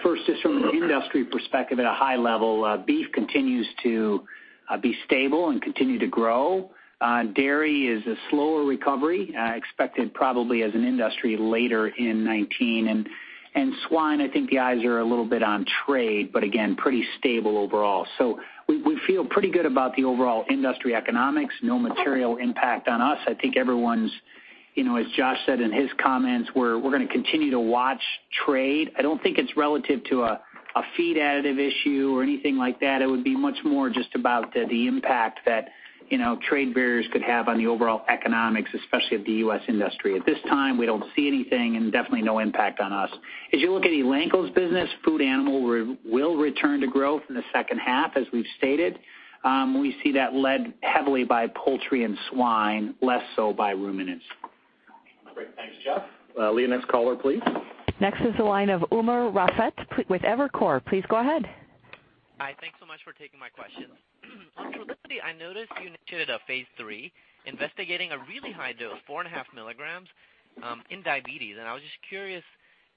First, just from an industry perspective at a high level, beef continues to be stable and continue to grow. Dairy is a slower recovery, expected probably as an industry later in 2019. Swine, I think the eyes are a little bit on trade. Again, pretty stable overall. We feel pretty good about the overall industry economics. No material impact on us. I think everyone's As Josh said in his comments, we're going to continue to watch trade. I don't think it's relative to a feed additive issue or anything like that. It would be much more just about the impact that trade barriers could have on the overall economics, especially of the U.S. industry. At this time, we don't see anything and definitely no impact on us. As you look at Elanco's business, food animal will return to growth in the second half, as we've stated. We see that led heavily by poultry and swine, less so by ruminants. Great. Thanks, Jeff. Leah, next caller, please. Next is the line of Umer Raffat with Evercore. Please go ahead. Hi. Thanks so much for taking my questions. On Trulicity, I noticed you initiated a phase III investigating a really high dose, four and a half milligrams, in diabetes. I was just curious,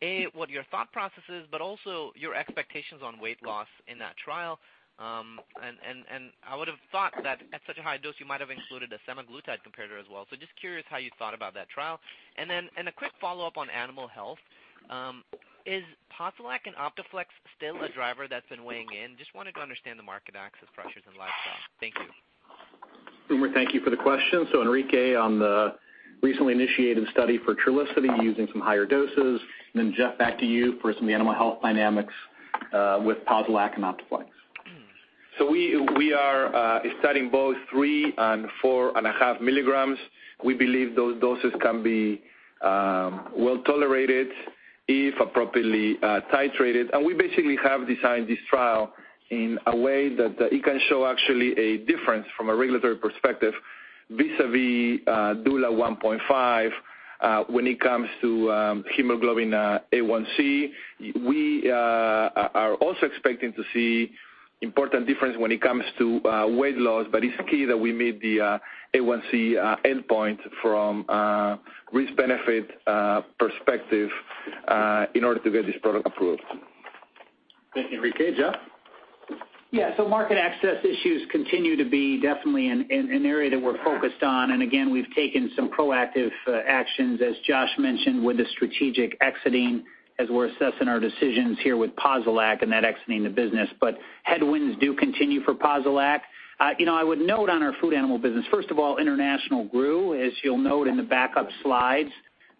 A, what your thought process is, but also your expectations on weight loss in that trial. I would have thought that at such a high dose you might have included a semaglutide comparator as well. Just curious how you thought about that trial. A quick follow-up on animal health. Is Posilac and Optaflexx still a driver that's been weighing in? Just wanted to understand the market access pressures in livestock. Thank you. Umer, thank you for the question. Enrique, on the recently initiated study for Trulicity using some higher doses, Jeff, back to you for some of the animal health dynamics with Posilac and Optaflexx. We are studying both three and four and a half milligrams. We believe those doses can be well-tolerated if appropriately titrated. We basically have designed this trial in a way that it can show actually a difference from a regulatory perspective vis-a-vis Trulicity 1.5 when it comes to hemoglobin A1C. We are also expecting to see important difference when it comes to weight loss, it's key that we meet the A1C endpoint from a risk-benefit perspective in order to get this product approved. Thank you, Enrique. Jeff? Yeah. Market access issues continue to be definitely an area that we're focused on. Again, we've taken some proactive actions, as Josh mentioned, with the strategic exiting as we're assessing our decisions here with Posilac and that exiting the business. Headwinds do continue for Posilac. I would note on our food animal business, first of all, international grew. As you'll note in the backup slides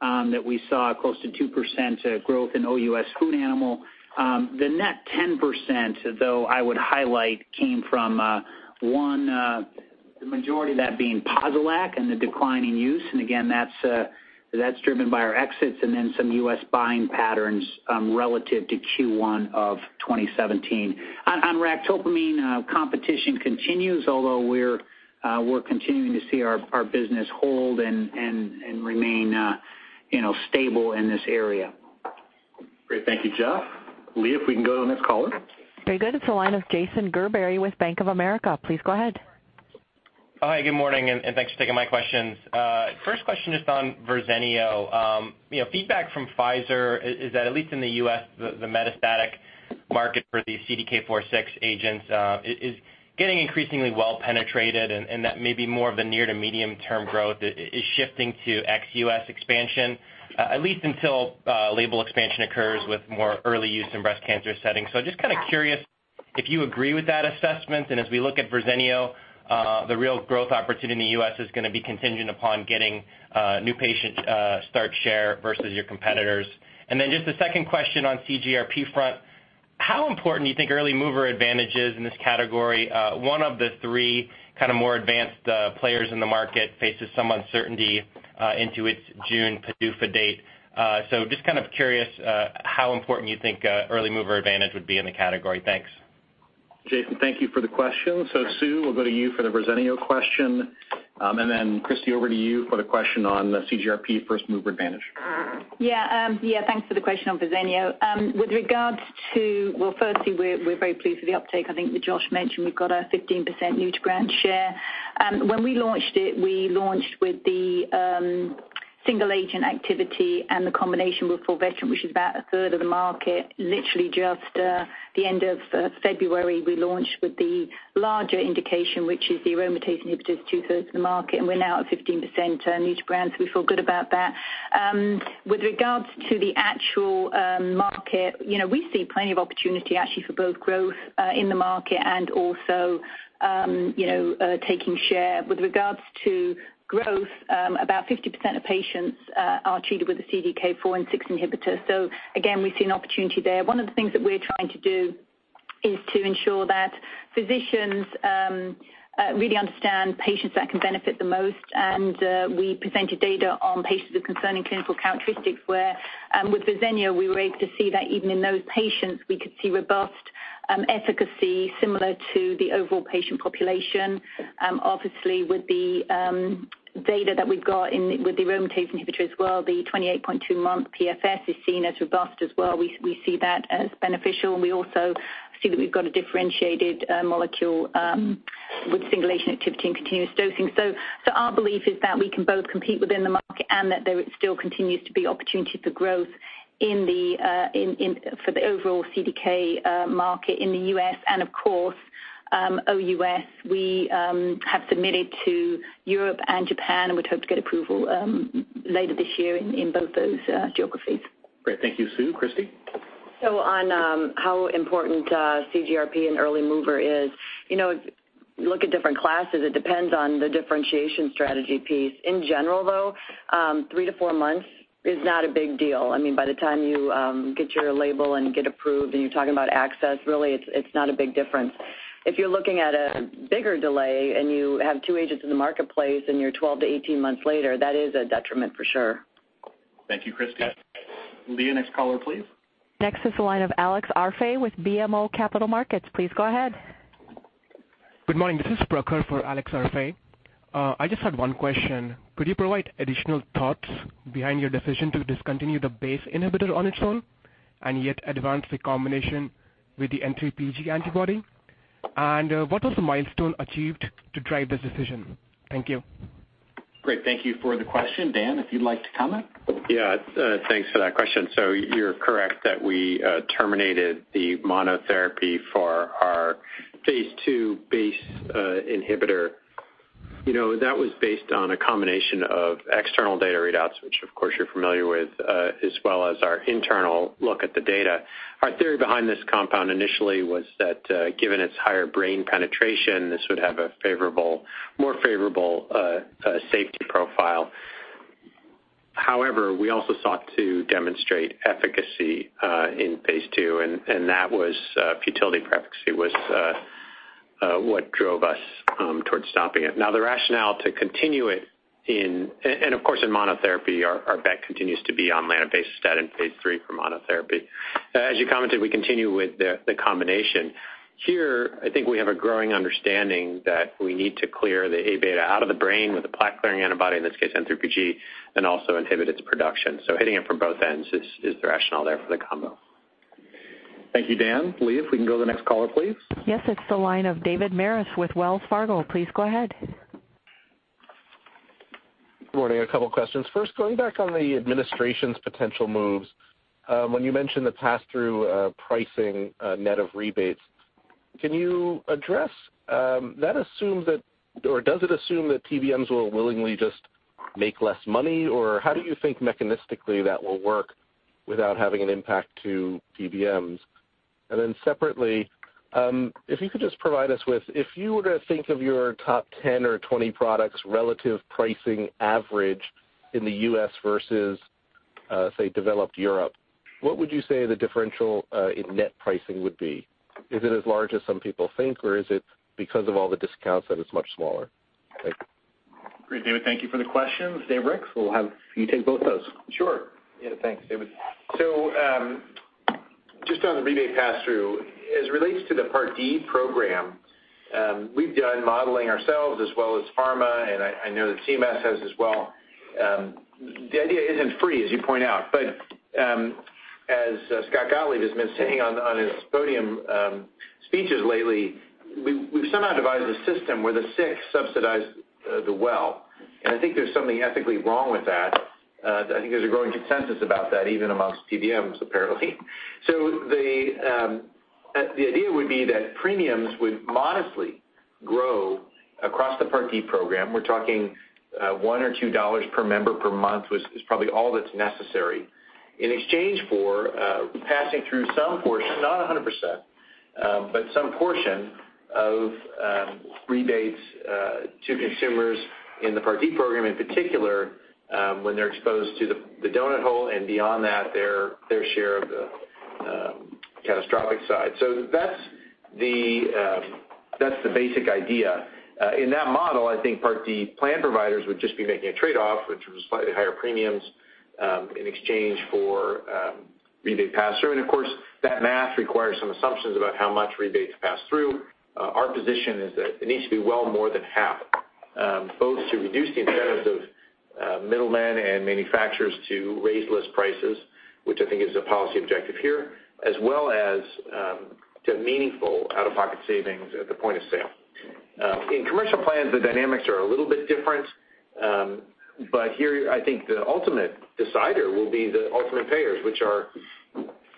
that we saw close to 2% growth in OUS food animal. The net 10%, though I would highlight, came from one, the majority of that being Posilac and the decline in use. Again, that's driven by our exits and then some U.S. buying patterns relative to Q1 of 2017. On ractopamine, competition continues, although we're continuing to see our business hold and remain stable in this area. Great. Thank you, Jeff. Leah, if we can go to the next caller. Very good. It's the line of Jason Gerberry with Bank of America. Please go ahead. Hi, good morning, and thanks for taking my questions. First question is on Verzenio. Feedback from Pfizer is that at least in the U.S., the metastatic market for the CDK4/6 agents is getting increasingly well-penetrated, and that may be more of the near to medium-term growth is shifting to ex-U.S. expansion, at least until label expansion occurs with more early use in breast cancer settings. Just kind of curious if you agree with that assessment, and as we look at Verzenio, the real growth opportunity in the U.S. is going to be contingent upon getting new patient start share versus your competitors. Just a second question on CGRP front. How important do you think early mover advantage is in this category? One of the three kind of more advanced players in the market faces some uncertainty into its June PDUFA date. Just kind of curious how important you think early mover advantage would be in the category. Thanks. Jason, thank you for the question. Sue, we'll go to you for the Verzenio question. Christi, over to you for the question on CGRP first mover advantage. Yeah. Thanks for the question on Verzenio. Well, firstly, we're very pleased with the uptake. I think that Josh mentioned we've got a 15% new to brand share. When we launched it, we launched with the single-agent activity and the combination with fulvestrant, which is about a third of the market. Literally just the end of February, we launched with the larger indication, which is the aromatase inhibitors, 2/3 of the market, and we're now at 15% new to brand, so we feel good about that. With regards to the actual market, we see plenty of opportunity actually for both growth in the market and also taking share. With regards to growth, about 50% of patients are treated with a CDK4/6 inhibitor. Again, we see an opportunity there. One of the things that we're trying to do is to ensure that physicians really understand patients that can benefit the most, and we presented data on patients with concerning clinical characteristics where with Verzenio, we were able to see that even in those patients, we could see robust efficacy similar to the overall patient population. Obviously, with the data that we've got with the aromatase inhibitor as well, the 28.2-month PFS is seen as robust as well. We see that as beneficial, and we also see that we've got a differentiated molecule with single-agent activity and continuous dosing. Our belief is that we can both compete within the market and that there still continues to be opportunity for growth for the overall CDK market in the U.S. and of course, OUS. We have submitted to Europe and Japan and would hope to get approval later this year in both those geographies. Great. Thank you, Sue. Christi? On how important CGRP and early mover is. If you look at different classes, it depends on the differentiation strategy piece. In general, though 3-4 months is not a big deal. By the time you get your label and get approved, and you're talking about access, really, it's not a big difference. If you're looking at a bigger delay and you have 2 agents in the marketplace and you're 12-18 months later, that is a detriment for sure. Thank you, Christi. Leah, next caller, please. Next is the line of Alex Arfaei with BMO Capital Markets. Please go ahead. Good morning. This is Prakhar for Alex Arfaei. I just had one question. Could you provide additional thoughts behind your decision to discontinue the BACE inhibitor on its own, and yet advance the combination with the N3pG antibody? What was the milestone achieved to drive this decision? Thank you. Great. Thank you for the question. Dan, if you'd like to comment. Thanks for that question. You're correct that we terminated the monotherapy for our phase II BACE inhibitor. That was based on a combination of external data readouts, which, of course, you're familiar with, as well as our internal look at the data. Our theory behind this compound initially was that, given its higher brain penetration, this would have a more favorable safety profile. However, we also sought to demonstrate efficacy in phase II, and that was futility efficacy was what drove us towards stopping it. The rationale to continue it in-- and of course, in monotherapy, our bet continues to be on lanabecestat in phase III for monotherapy. As you commented, we continue with the combination. Here, I think we have a growing understanding that we need to clear the A-beta out of the brain with a plaque-clearing antibody, in this case, N3pG, and also inhibit its production. Hitting it from both ends is the rationale there for the combo. Thank you, Dan. Leah, if we can go to the next caller, please. It's the line of David Maris with Wells Fargo. Please go ahead. Good morning. A couple questions. First, going back on the administration's potential moves. When you mentioned the pass-through pricing net of rebates, can you address, does it assume that PBMs will willingly just make less money? Or how do you think mechanistically that will work without having an impact to PBMs? Separately, if you could just provide us with, if you were to think of your top 10 or 20 products' relative pricing average in the U.S. versus, say, developed Europe, what would you say the differential in net pricing would be? Is it as large as some people think, or is it because of all the discounts that it's much smaller? Thanks. Great, David. Thank you for the questions. David Ricks, we'll have you take both those. Sure. Thanks, David. Just on the rebate pass-through, as it relates to the Part D program, we've done modeling ourselves as well as pharma, and I know that CMS has as well. The idea isn't free, as you point out, but as Scott Gottlieb has been saying on his podium speeches lately, we've somehow devised a system where the sick subsidize the well, and I think there's something ethically wrong with that. I think there's a growing consensus about that, even amongst PBMs, apparently. The idea would be that premiums would modestly grow across the Part D program. We're talking $1 or $2 per member per month, which is probably all that's necessary, in exchange for passing through some portion, not 100%, but some portion of rebates to consumers in the Part D program, in particular when they're exposed to the donut hole, and beyond that, their share of the catastrophic side. That's the basic idea. In that model, I think Part D plan providers would just be making a trade-off, which was slightly higher premiums in exchange for rebate pass-through. Of course, that math requires some assumptions about how much rebates pass through. Our position is that it needs to be well more than half, both to reduce the incentives of middlemen and manufacturers to raise list prices, which I think is a policy objective here, as well as to meaningful out-of-pocket savings at the point of sale. In commercial plans, the dynamics are a little bit different. Here, I think the ultimate decider will be the ultimate payers, which are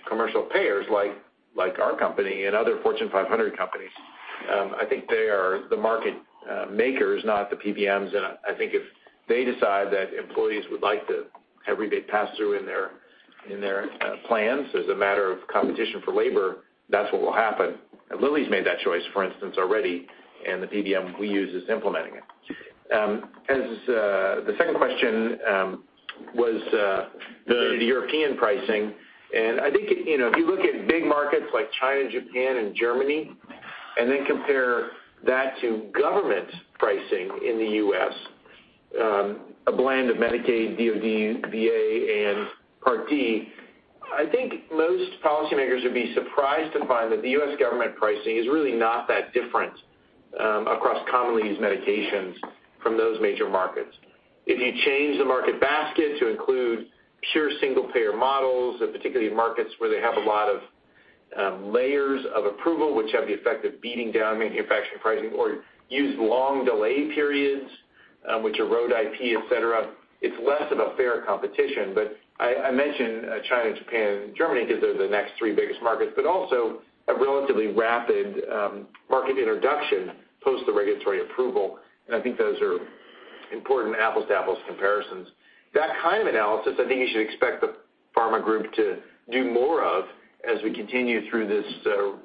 commercial payers like our company and other Fortune 500 companies. I think they are the market makers, not the PBMs. I think if they decide that employees would like to have rebate pass-through in their plans as a matter of competition for labor, that's what will happen. Lilly's made that choice, for instance, already, and the PBM we use is implementing it. As the second question was the European pricing, and I think if you look at big markets like China, Japan, and Germany, and then compare that to government pricing in the U.S., a blend of Medicaid, DoD, VA, and Part D, I think most policymakers would be surprised to find that the U.S. government pricing is really not that different across commonly used medications from those major markets. If you change the market basket to include pure single-payer models, and particularly markets where they have a lot of layers of approval, which have the effect of beating down manufacturing pricing or use long delay periods, which erode IP, et cetera, it's less of a fair competition. I mention China, Japan, and Germany because they're the next three biggest markets, but also have relatively rapid market introduction post the regulatory approval. I think those are Important apples to apples comparisons. That kind of analysis, I think you should expect the pharma group to do more of as we continue through this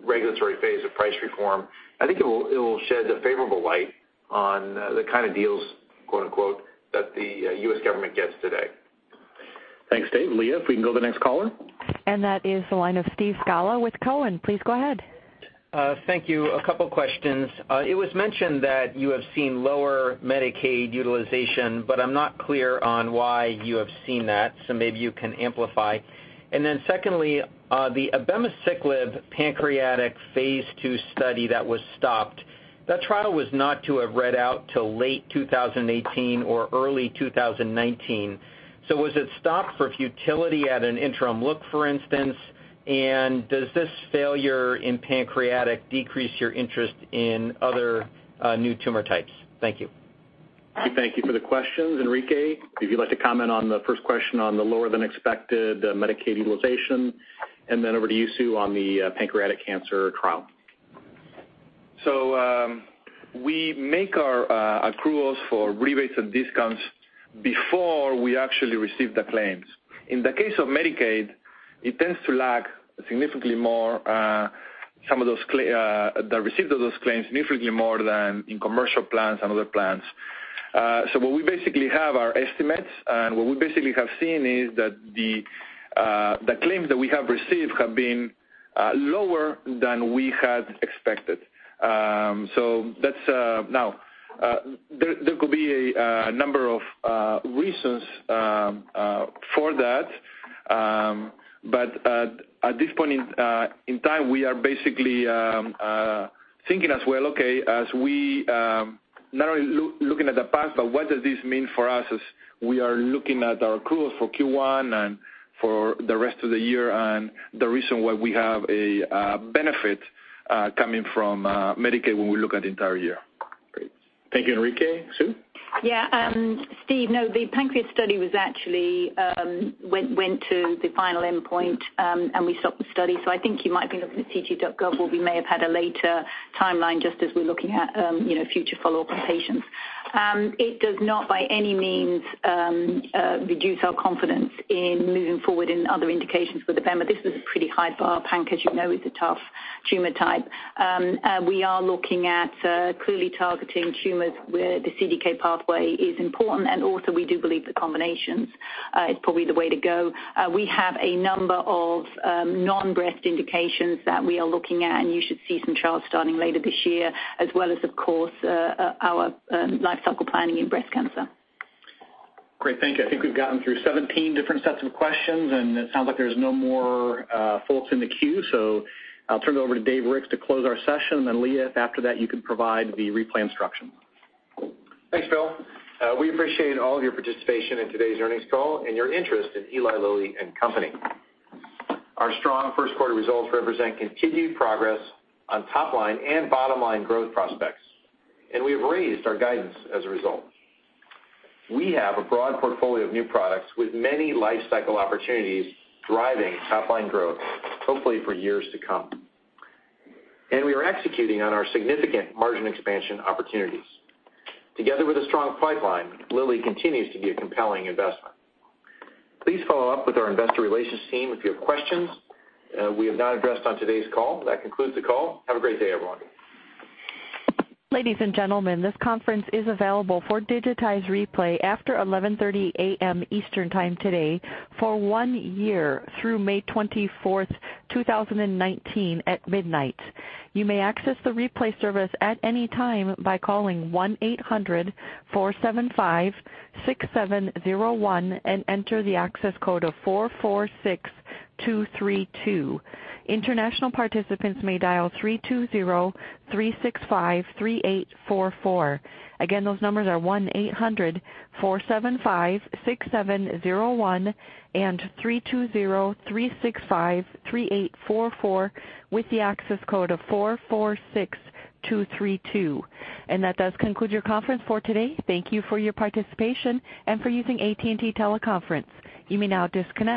regulatory phase of price reform. I think it will shed a favorable light on the kind of deals, quote-unquote, that the U.S. government gets today. Thanks, Dave. Leah, if we can go to the next caller. That is the line of Steve Scala with Cowen. Please go ahead. Thank you. A couple of questions. It was mentioned that you have seen lower Medicaid utilization, but I'm not clear on why you have seen that, so maybe you can amplify. Secondly, the abemaciclib pancreatic phase II study that was stopped, that trial was not to have read out till late 2018 or early 2019. Was it stopped for futility at an interim look, for instance? Does this failure in pancreatic decrease your interest in other new tumor types? Thank you. We thank you for the questions, Enrique. If you'd like to comment on the first question on the lower than expected Medicaid utilization, and then over to you, Sue, on the pancreatic cancer trial. We make our accruals for rebates and discounts before we actually receive the claims. In the case of Medicaid, it tends to lack significantly more, the receipt of those claims, significantly more than in commercial plans and other plans. What we basically have are estimates, and what we basically have seen is that the claims that we have received have been lower than we had expected. Now, there could be a number of reasons for that. At this point in time, we are basically thinking as well, okay, as we not only looking at the past, but what does this mean for us as we are looking at our accrual for Q1 and for the rest of the year, and the reason why we have a benefit coming from Medicaid when we look at the entire year. Great. Thank you, Enrique. Sue? Steve, no, the pancreas study actually went to the final endpoint, and we stopped the study. I think you might be looking at ct.gov, where we may have had a later timeline just as we're looking at future follow-up on patients. It does not by any means reduce our confidence in moving forward in other indications with abema. This was a pretty high bar. Pancreas, you know, is a tough tumor type. We are looking at clearly targeting tumors where the CDK pathway is important. Also, we do believe the combinations is probably the way to go. You should see some trials starting later this year, as well as, of course, our life cycle planning in breast cancer. Great, thank you. I think we've gotten through 17 different sets of questions. It sounds like there's no more folks in the queue. I'll turn it over to David Ricks to close our session. Leah, if after that you can provide the replay instructions. Thanks, Phil. We appreciate all of your participation in today's earnings call and your interest in Eli Lilly and Company. Our strong first quarter results represent continued progress on top line and bottom line growth prospects, and we have raised our guidance as a result. We have a broad portfolio of new products with many life cycle opportunities driving top line growth, hopefully for years to come. We are executing on our significant margin expansion opportunities. Together with a strong pipeline, Lilly continues to be a compelling investment. Please follow up with our investor relations team if you have questions we have not addressed on today's call. That concludes the call. Have a great day, everyone. Ladies and gentlemen, this conference is available for digitized replay after 11:30 A.M. Eastern Time today for one year through May 24th, 2019 at midnight. You may access the replay service at any time by calling 1-800-475-6701 and enter the access code of 446232. International participants may dial 320-365-3844. Again, those numbers are 1-800-475-6701 and 320-365-3844 with the access code of 446232. That does conclude your conference for today. Thank you for your participation and for using AT&T Teleconference. You may now disconnect.